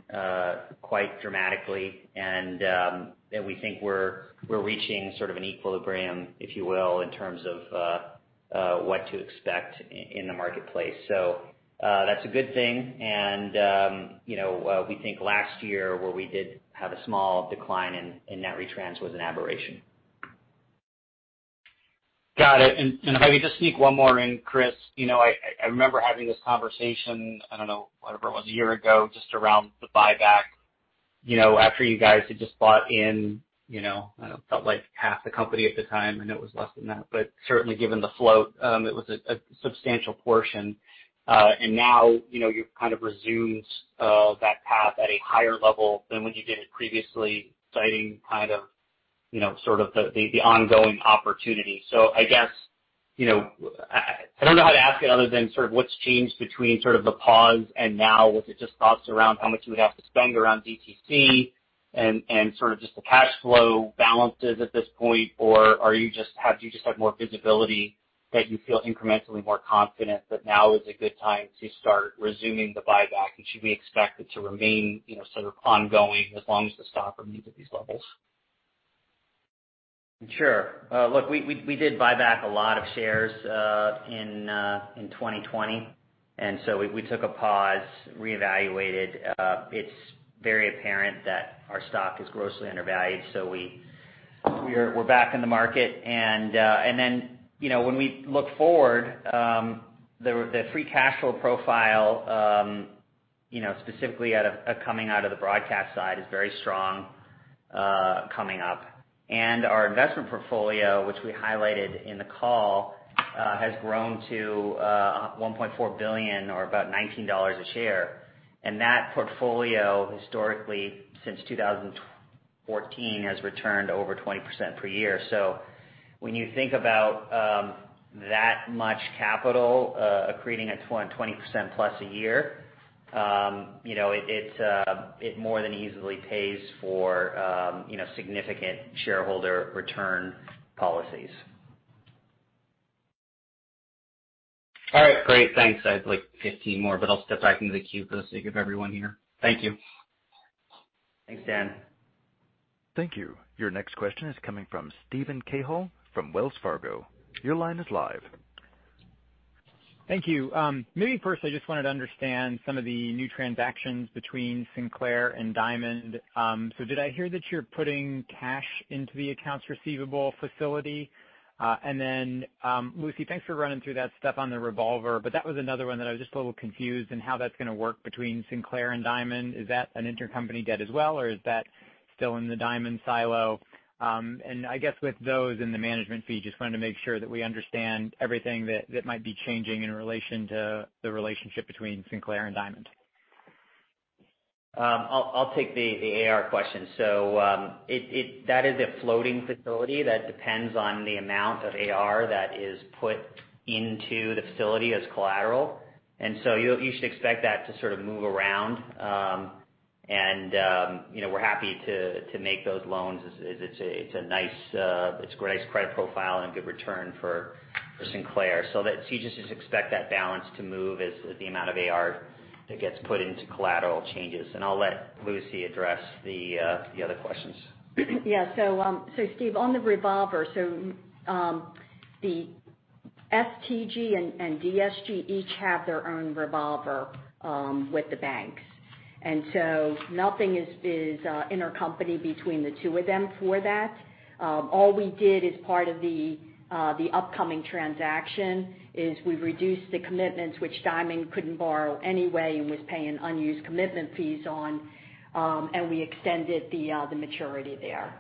quite dramatically. We think we're reaching sort of an equilibrium, if you will, in terms of what to expect in the marketplace. That's a good thing. You know, we think last year where we did have a small decline in net retrans was an aberration.
Got it. If I could just sneak one more in, Chris. You know, I remember having this conversation, I don't know, whatever it was, a year ago, just around the buyback, you know, after you guys had just bought in, you know, I don't know, it felt like half the company at the time, I know it was less than that. But certainly given the float, it was a substantial portion. Now, you know, you've kind of resumed that path at a higher level than when you did it previously, citing kind of, you know, sort of the ongoing opportunity. I guess, you know, I don't know how to ask it other than sort of what's changed between sort of the pause and now. Was it just thoughts around how much you would have to spend around DTC and sort of just the cash flow balances at this point? Or have you just had more visibility that you feel incrementally more confident that now is a good time to start resuming the buyback? Should we expect it to remain, you know, sort of ongoing as long as the stock remains at these levels?
Sure. Look, we did buy back a lot of shares in 2020, so we took a pause, reevaluated. It's very apparent that our stock is grossly undervalued, so we're back in the market. Then, you know, when we look forward, the free cash flow profile, you know, specifically out of coming out of the broadcast side is very strong coming up. Our investment portfolio, which we highlighted in the call, has grown to $1.4 billion or about $19 a share. That portfolio historically since 2014 has returned over 20% per year. When you think about that much capital accreting at 20% plus a year, you know, it more than easily pays for, you know, significant shareholder return policies.
All right, great. Thanks. I have like 15 more, but I'll step back into the queue for the sake of everyone here. Thank you.
Thanks, Dan.
Thank you. Your next question is coming from Steven Cahall from Wells Fargo. Your line is live.
Thank you. Maybe first I just wanted to understand some of the new transactions between Sinclair and Diamond. So did I hear that you're putting cash into the accounts receivable facility? Then, Lucy, thanks for running through that stuff on the revolver, but that was another one that I was just a little confused in how that's gonna work between Sinclair and Diamond. Is that an intercompany debt as well, or is that still in the Diamond silo? I guess with those and the management fee, just wanted to make sure that we understand everything that might be changing in relation to the relationship between Sinclair and Diamond.
I'll take the AR question. That is a floating facility that depends on the amount of AR that is put into the facility as collateral. You should expect that to sort of move around. You know, we're happy to make those loans as it's a nice credit profile and good return for Sinclair. You just expect that balance to move as the amount of AR that gets put into collateral changes. I'll let Lucy address the other questions.
Steve, on the revolver, the STG and DSG each have their own revolver with the banks. Nothing is intercompany between the two of them for that. All we did as part of the upcoming transaction is we reduced the commitments which Diamond couldn't borrow anyway and was paying unused commitment fees on, and we extended the maturity there.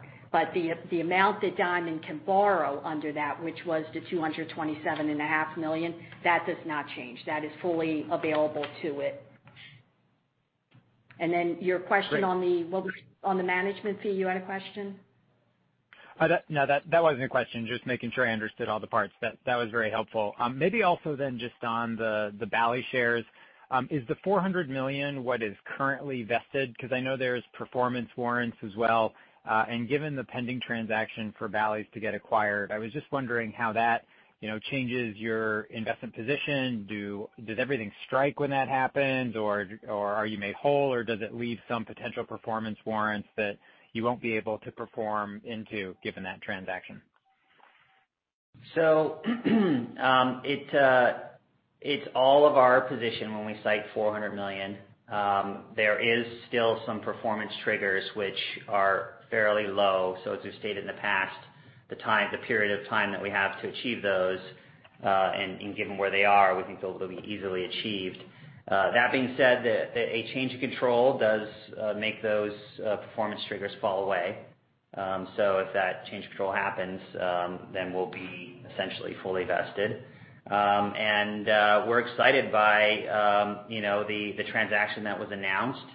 The amount that Diamond can borrow under that, which was the $227.5 million, that does not change. That is fully available to it. Then your question on the-
Great.
On the management fee, you had a question?
No, that wasn't a question. Just making sure I understood all the parts. That was very helpful. Maybe also then just on the Bally's shares, is the $400 million what is currently vested? 'Cause I know there's performance warrants as well. Given the pending transaction for Bally's to get acquired, I was just wondering how that, you know, changes your investment position. Does everything strike when that happens? Or are you made whole? Or does it leave some potential performance warrants that you won't be able to perform into given that transaction?
It's all of our position when we cite $400 million. There is still some performance triggers which are fairly low. As we've stated in the past, the period of time that we have to achieve those, and given where they are, we think they'll be easily achieved. That being said, a change of control does make those performance triggers fall away. If that change of control happens, then we'll be essentially fully vested. We're excited by you know the transaction that was announced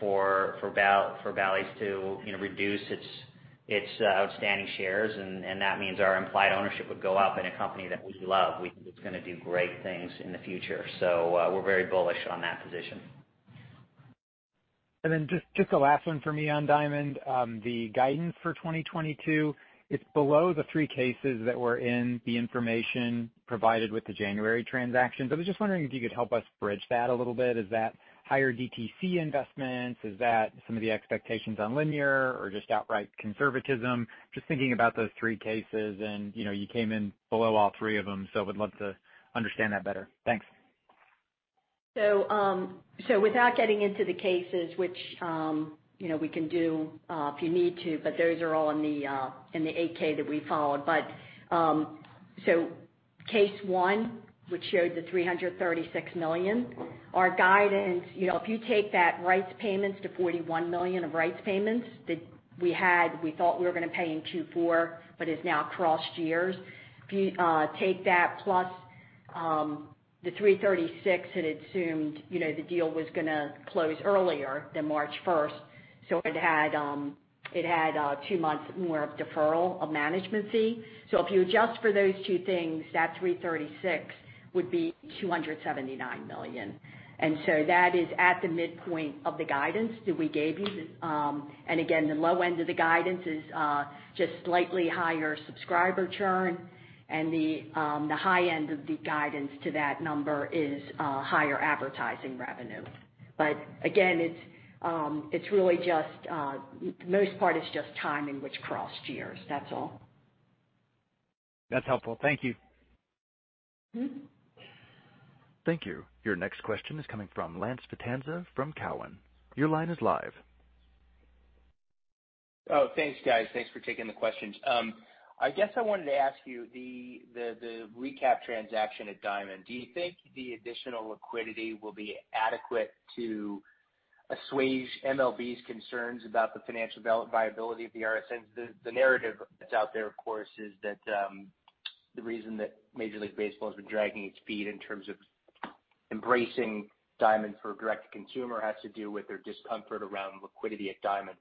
for Bally's to you know reduce its outstanding shares. That means our implied ownership would go up in a company that we love. We think it's gonna do great things in the future. We're very bullish on that position.
Then just the last one for me on Diamond. The guidance for 2022, it's below the three cases that were in the information provided with the January transaction. I was just wondering if you could help us bridge that a little bit. Is that higher DTC investments? Is that some of the expectations on linear or just outright conservatism? Just thinking about those three cases and, you know, you came in below all three of them, so would love to understand that better. Thanks.
Without getting into the cases which, you know, we can do, if you need to, but those are all in the, in the 8-K that we followed. case one, which showed the $336 million, our guidance, you know, if you take that rights payments to $41 million of rights payments that we had, we thought we were gonna pay in 2024, but is now crossed years. If you take that plus the $336, it assumed, you know, the deal was gonna close earlier than March 1st. it had two months more of deferral of management fee. if you adjust for those two things, that $336 would be $279 million. that is at the midpoint of the guidance that we gave you. Again, the low end of the guidance is just slightly higher subscriber churn. The high end of the guidance to that number is higher advertising revenue. Again, it's really just most part is just timing, which crossed years, that's all.
That's helpful. Thank you.
Mm-hmm.
Thank you. Your next question is coming from Lance Vitanza from Cowen. Your line is live.
Oh, thanks, guys. Thanks for taking the questions. I guess I wanted to ask you the recap transaction at Diamond. Do you think the additional liquidity will be adequate to assuage MLB's concerns about the financial viability of the RSNs? The narrative that's out there, of course, is that the reason that Major League Baseball has been dragging its feet in terms of embracing Diamond for direct to consumer has to do with their discomfort around liquidity at Diamond.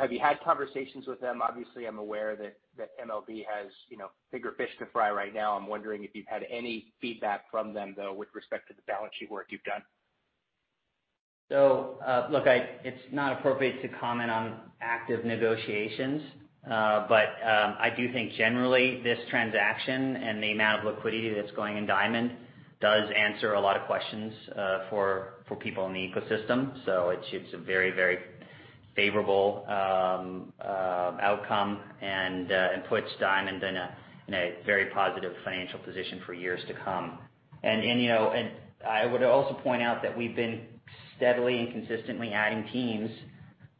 Have you had conversations with them? Obviously, I'm aware that MLB has, you know, bigger fish to fry right now. I'm wondering if you've had any feedback from them, though, with respect to the balance sheet work you've done.
Look, it's not appropriate to comment on active negotiations. I do think generally this transaction and the amount of liquidity that's going in Diamond does answer a lot of questions for people in the ecosystem. It's a very, very favorable outcome and puts Diamond in a very positive financial position for years to come. You know, I would also point out that we've been steadily and consistently adding teams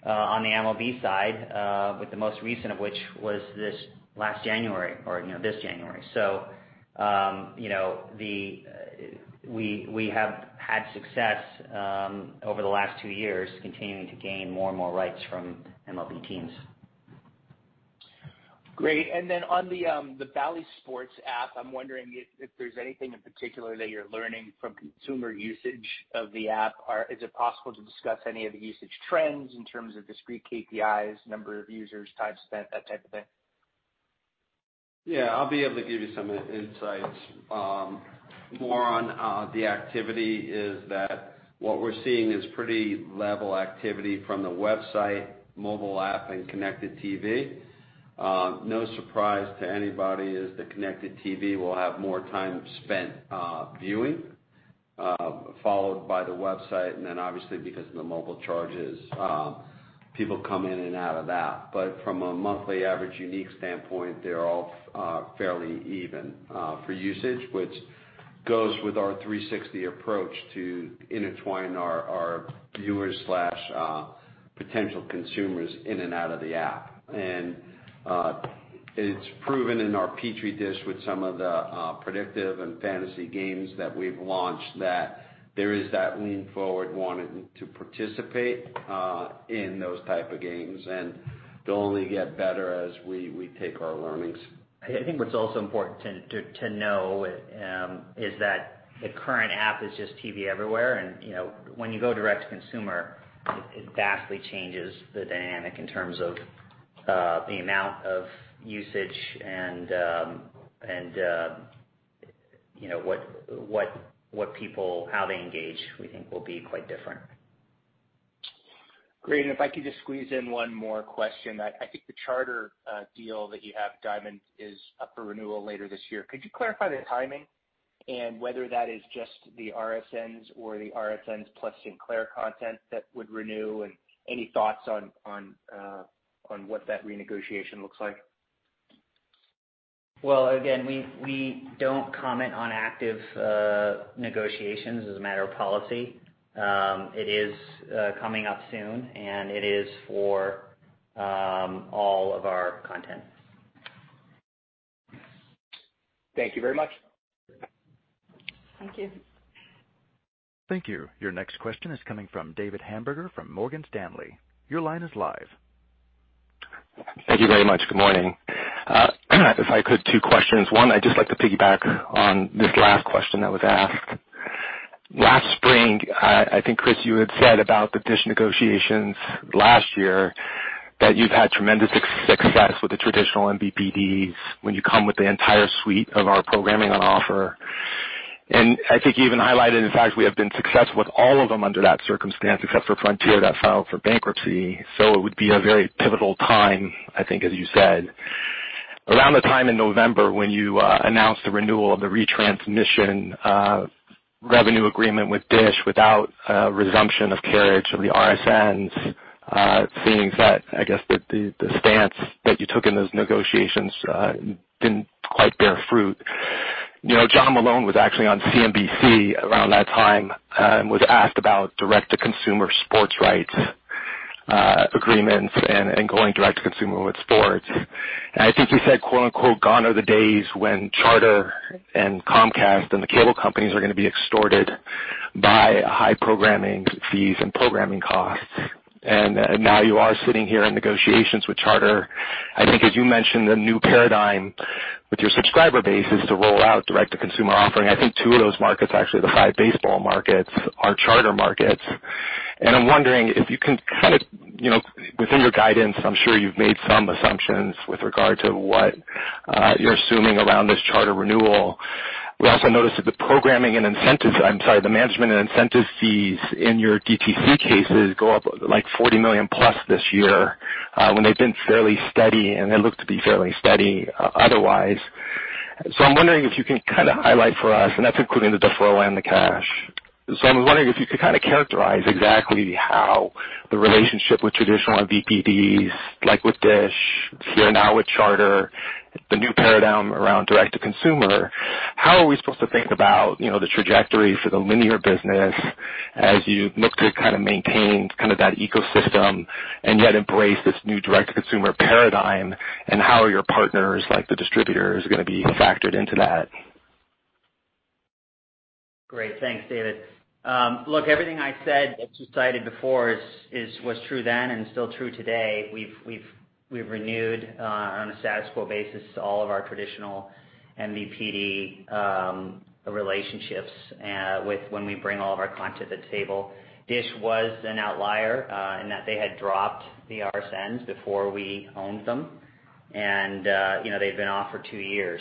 on the MLB side with the most recent of which was this last January or this January. You know, we have had success over the last two years continuing to gain more and more rights from MLB teams.
Great. On the Bally Sports app, I'm wondering if there's anything in particular that you're learning from consumer usage of the app. Or is it possible to discuss any of the usage trends in terms of discrete KPIs, number of users, time spent, that type of thing?
Yeah. I'll be able to give you some insights. More on the activity is that what we're seeing is pretty level activity from the website, mobile app and connected TV. No surprise to anybody is the connected TV will have more time spent viewing followed by the website. Obviously because of the mobile charges, people come in and out of that. From a monthly average unique standpoint, they're all fairly even for usage, which goes with our 360 approach to intertwine our viewers slash potential consumers in and out of the app. It's proven in our Petri dish with some of the predictive and fantasy games that we've launched that there is that lean forward wanting to participate in those type of games and they'll only get better as we take our learnings.
I think what's also important to know is that the current app is just TV everywhere. You know, when you go direct to consumer, it vastly changes the dynamic in terms of the amount of usage and you know, how they engage, we think will be quite different.
Great. If I could just squeeze in one more question. I think the Charter deal that you have, Diamond, is up for renewal later this year. Could you clarify the timing? Whether that is just the RSNs or the RSNs plus Sinclair content that would renew, and any thoughts on what that renegotiation looks like.
Well, again, we don't comment on active negotiations as a matter of policy. It is coming up soon, and it is for all of our content.
Thank you very much.
Thank you.
Thank you. Your next question is coming from David Hamburger from Morgan Stanley. Your line is live.
Thank you very much. Good morning. If I could, two questions. One, I'd just like to piggyback on this last question that was asked. Last spring, I think, Chris, you had said about the Dish negotiations last year that you've had tremendous success with the traditional MVPDs when you come with the entire suite of our programming on offer. I think you even highlighted the fact we have been successful with all of them under that circumstance, except for Frontier that filed for bankruptcy. It would be a very pivotal time, I think, as you said. Around the time in November when you announced the renewal of the retransmission revenue agreement with Dish without resumption of carriage of the RSNs, seeing that, I guess, the stance that you took in those negotiations didn't quite bear fruit. You know, John Malone was actually on CNBC around that time and was asked about direct-to-consumer sports rights agreements and going direct to consumer with sports. I think he said, quote, unquote, "Gone are the days when Charter and Comcast and the cable companies are gonna be extorted by high programming fees and programming costs." Now you are sitting here in negotiations with Charter. I think as you mentioned, the new paradigm with your subscriber base is to roll out direct-to-consumer offering. I think two of those markets, actually the five baseball markets, are Charter markets. I'm wondering if you can kind of, you know, within your guidance, I'm sure you've made some assumptions with regard to what you're assuming around this Charter renewal. We also noticed that the programming and incentives, I'm sorry, the management and incentive fees in your DTC cases go up, like, $40 million plus this year, when they've been fairly steady and they look to be fairly steady otherwise. I'm wondering if you can kinda highlight for us, and that's including the deferral and the cash. I was wondering if you could kinda characterize exactly how the relationship with traditional MVPDs, like with Dish, here now with Charter, the new paradigm around direct to consumer, how are we supposed to think about, you know, the trajectory for the linear business as you look to kind of maintain kind of that ecosystem and yet embrace this new direct-to-consumer paradigm? How are your partners, like the distributors, gonna be factored into that?
Great. Thanks, David. Look, everything I said that you cited before was true then and still true today. We've renewed on a status quo basis all of our traditional MVPD relationships with when we bring all of our content to the table. Dish was an outlier in that they had dropped the RSNs before we owned them. You know, they've been off for two years.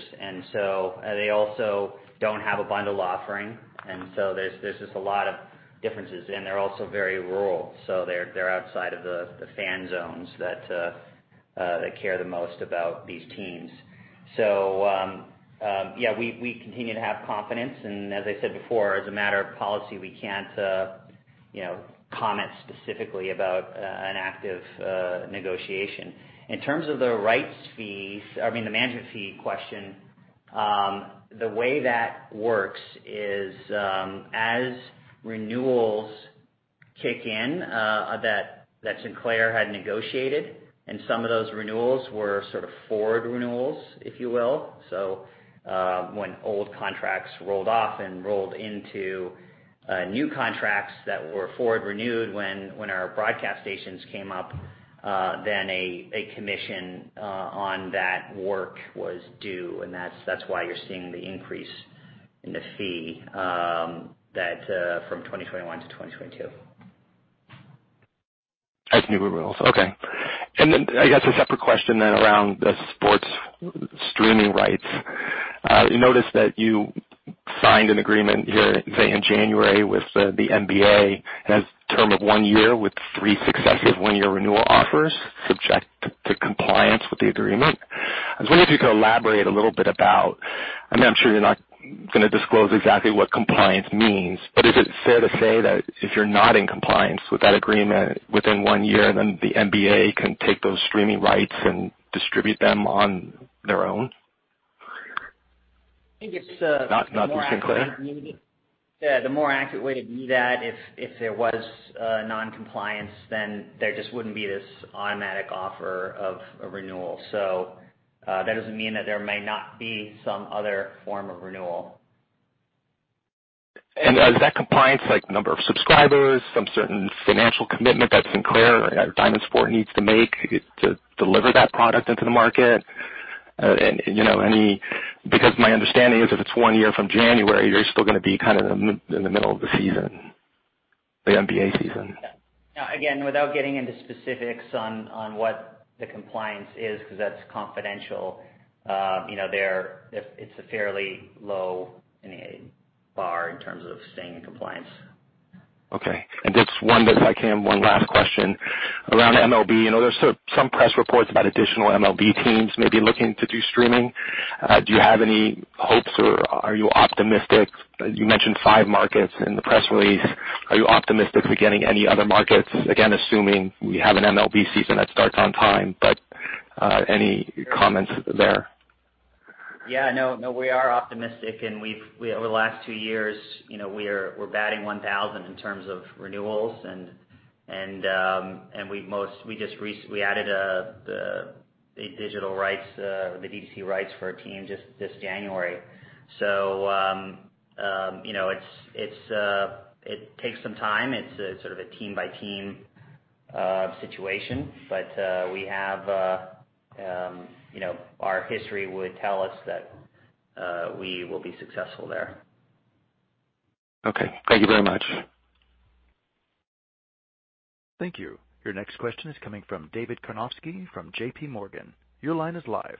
They also don't have a bundle offering. There's just a lot of differences, and they're also very rural, so they're outside of the fan zones that care the most about these teams. Yeah, we continue to have confidence. As I said before, as a matter of policy, we can't, you know, comment specifically about an active negotiation. In terms of the rights fees, I mean, the management fee question, the way that works is, as renewals kick in, that Sinclair had negotiated, and some of those renewals were sort of forward renewals, if you will. When old contracts rolled off and rolled into new contracts that were forward renewed when our broadcast stations came up, then a commission on that work was due. That's why you're seeing the increase in the fee from 2021 to 2022.
As new renewals. Okay. I guess a separate question then around the sports streaming rights. We noticed that you signed an agreement here in January with the NBA. It has a term of one year with three successive one-year renewal offers subject to compliance with the agreement. I was wondering if you could elaborate a little bit. I mean, I'm sure you're not gonna disclose exactly what compliance means, but is it fair to say that if you're not in compliance with that agreement within one year, then the NBA can take those streaming rights and distribute them on their own?
I think it's the more accurate.
Not just Sinclair.
Yeah, the more accurate way to view that, if there was non-compliance, then there just wouldn't be this automatic offer of a renewal. That doesn't mean that there may not be some other form of renewal.
Is that compliance, like, number of subscribers, some certain financial commitment that Sinclair or Diamond Sports Group needs to make to deliver that product into the market? You know, because my understanding is if it's one year from January, you're still gonna be kind of in the middle of the season, the NBA season.
Yeah. No, again, without getting into specifics on what the compliance is 'cause that's confidential, you know, it's a fairly low bar in terms of staying in compliance.
Okay. Just one last question. Around MLB, you know, there's sort of some press reports about additional MLB teams maybe looking to do streaming. Do you have any hopes or are you optimistic? You mentioned five markets in the press release. Are you optimistic for getting any other markets? Again, assuming we have an MLB season that starts on time, but any comments there?
Yeah, no, we are optimistic, and we've over the last two years, you know, we're batting 1,000 in terms of renewals, and we just added the digital rights, the DTC rights for our team just this January. You know, it takes some time. It's a sort of a team-by-team situation. We have, you know, our history would tell us that we will be successful there.
Okay. Thank you very much.
Thank you. Your next question is coming from David Karnovsky from JPMorgan. Your line is live.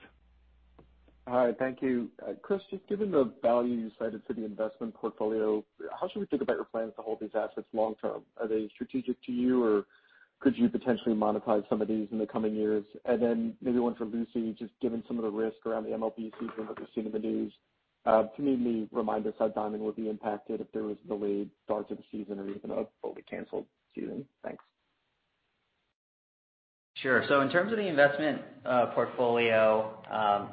Hi. Thank you. Chris, just given the value you cited for the investment portfolio, how should we think about your plans to hold these assets long term? Are they strategic to you, or could you potentially monetize some of these in the coming years? Maybe one for Lucy, just given some of the risk around the MLB season that we've seen in the news, can you maybe remind us how Diamond would be impacted if there was a delayed start to the season or even a fully canceled season? Thanks.
Sure. In terms of the investment portfolio,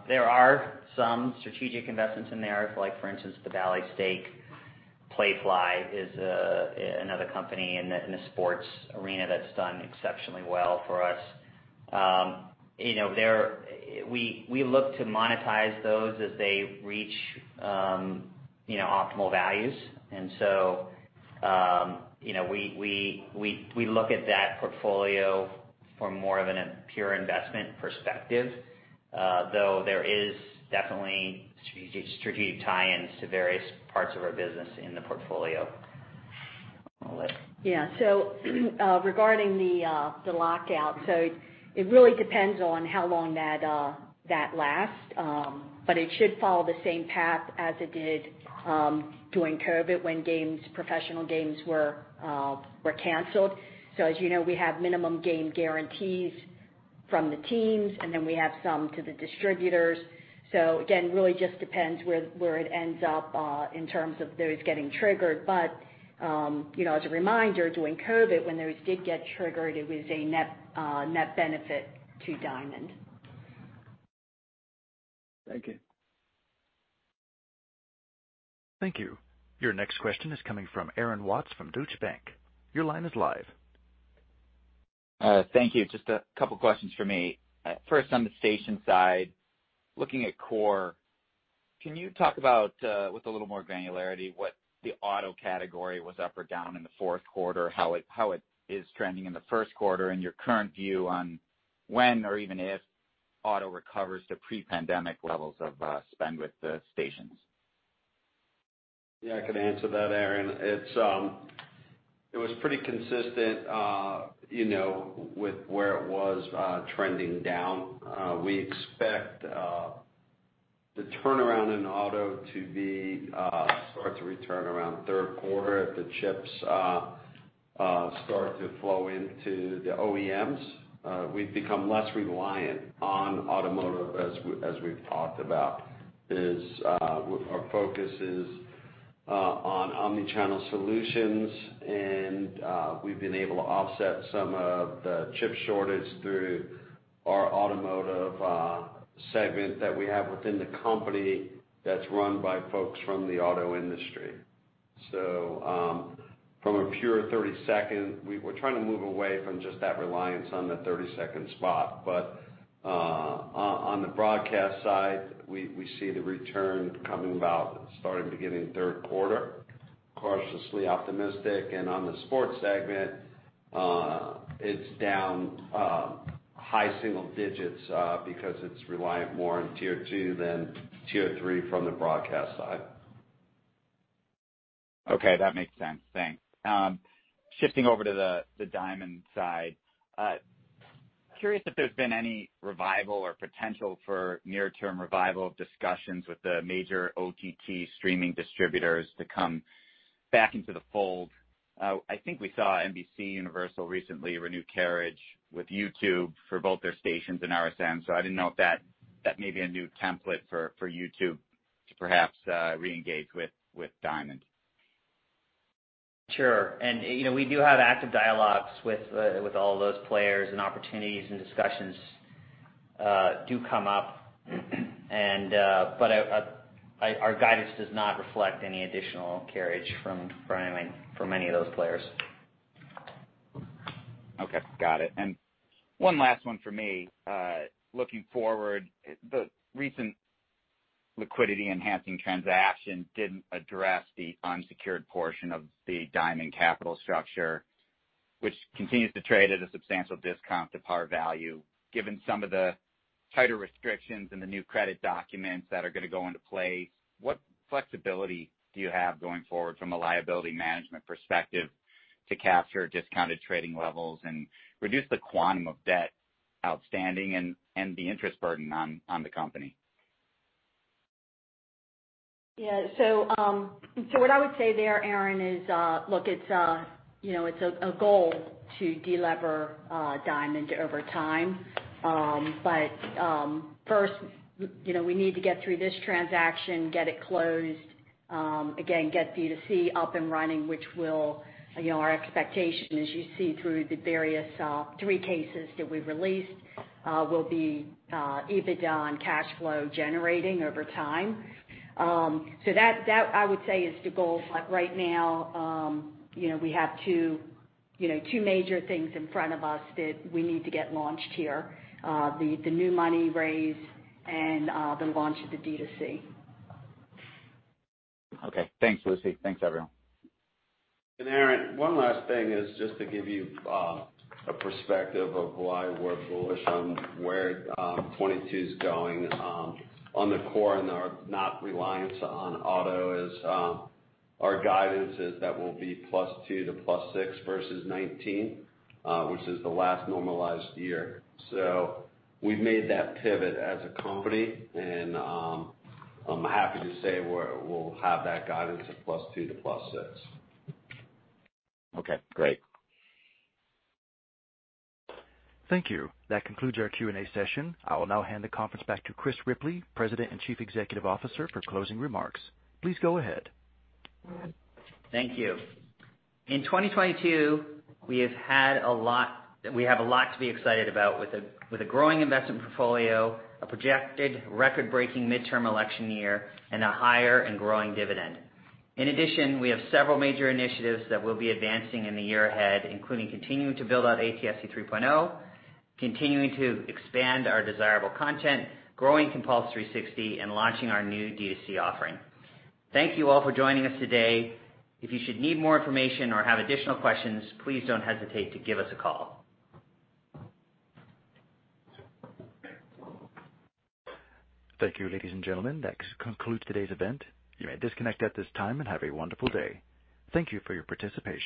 there are some strategic investments in there, like for instance, the Bally stake. Playfly is another company in the sports arena that's done exceptionally well for us. You know, we look to monetize those as they reach optimal values. You know, we look at that portfolio for more of a pure investment perspective, though there is definitely strategic tie-ins to various parts of our business in the portfolio. I'll let-
Yeah. Regarding the lockout, it really depends on how long that lasts. It should follow the same path as it did during COVID when professional games were canceled. As you know, we have minimum game guarantees from the teams, and then we have some to the distributors. Again, really just depends where it ends up in terms of those getting triggered. You know, as a reminder, during COVID, when those did get triggered, it was a net benefit to Diamond.
Thank you.
Thank you. Your next question is coming from Aaron Watts from Deutsche Bank. Your line is live.
Thank you. Just a couple questions from me. First, on the station side, looking at core, can you talk about, with a little more granularity what the auto category was up or down in the fourth quarter, how it is trending in the first quarter and your current view on when or even if auto recovers to pre-pandemic levels of spend with the stations?
Yeah, I can answer that, Aaron. It was pretty consistent, you know, with where it was trending down. We expect the turnaround in auto to start to return around third quarter if the chips start to flow into the OEMs. We've become less reliant on automotive as we've talked about. Our focus is on omni-channel solutions and we've been able to offset some of the chip shortage through our automotive segment that we have within the company that's run by folks from the auto industry. From a pure 30-second, we're trying to move away from just that reliance on the 30-second spot. On the broadcast side, we see the return coming about starting beginning third quarter, cautiously optimistic. On the sports segment, it's down high single digits, because it's reliant more on tier two than tier three from the broadcast side.
Okay, that makes sense. Thanks. Shifting over to the Diamond side, curious if there's been any revival or potential for near-term revival of discussions with the major OTT streaming distributors to come back into the fold. I think we saw NBCUniversal recently renew carriage with YouTube for both their stations and RSNs, so I didn't know if that may be a new template for YouTube to perhaps reengage with Diamond.
Sure. You know, we do have active dialogues with all those players and opportunities and discussions do come up. But our guidance does not reflect any additional carriage from any of those players.
Okay, got it. One last one for me. Looking forward, the recent liquidity enhancing transaction didn't address the unsecured portion of the Diamond capital structure, which continues to trade at a substantial discount to par value. Given some of the tighter restrictions in the new credit documents that are gonna go into play, what flexibility do you have going forward from a liability management perspective to capture discounted trading levels and reduce the quantum of debt outstanding and the interest burden on the company?
What I would say there, Aaron, is look, it's you know a goal to delever Diamond over time. First, you know, we need to get through this transaction, get it closed, again, get D2C up and running. You know, our expectation, as you see through the various three cases that we've released, will be EBITDA and cash flow generating over time. That I would say is the goal. Right now, you know, we have two major things in front of us that we need to get launched here. The new money raise and the launch of the D2C.
Okay. Thanks, Lucy. Thanks, everyone.
Aaron, one last thing is just to give you a perspective of why we're bullish on where 2022 is going on the core and our non-reliance on auto is our guidance is that we'll be +2% to +6% versus 2019, which is the last normalized year. We've made that pivot as a company, and I'm happy to say we'll have that guidance of +2% to +6%.
Okay, great.
Thank you. That concludes our Q&A session. I will now hand the conference back to Chris Ripley, President and Chief Executive Officer, for closing remarks. Please go ahead.
Thank you. In 2022, we have a lot to be excited about with a growing investment portfolio, a projected record-breaking midterm election year, and a higher and growing dividend. In addition, we have several major initiatives that we'll be advancing in the year ahead, including continuing to build out ATSC 3.0, continuing to expand our desirable content, growing Compulse 360, and launching our new D2C offering. Thank you all for joining us today. If you should need more information or have additional questions, please don't hesitate to give us a call.
Thank you, ladies and gentlemen. That concludes today's event. You may disconnect at this time, and have a wonderful day. Thank you for your participation.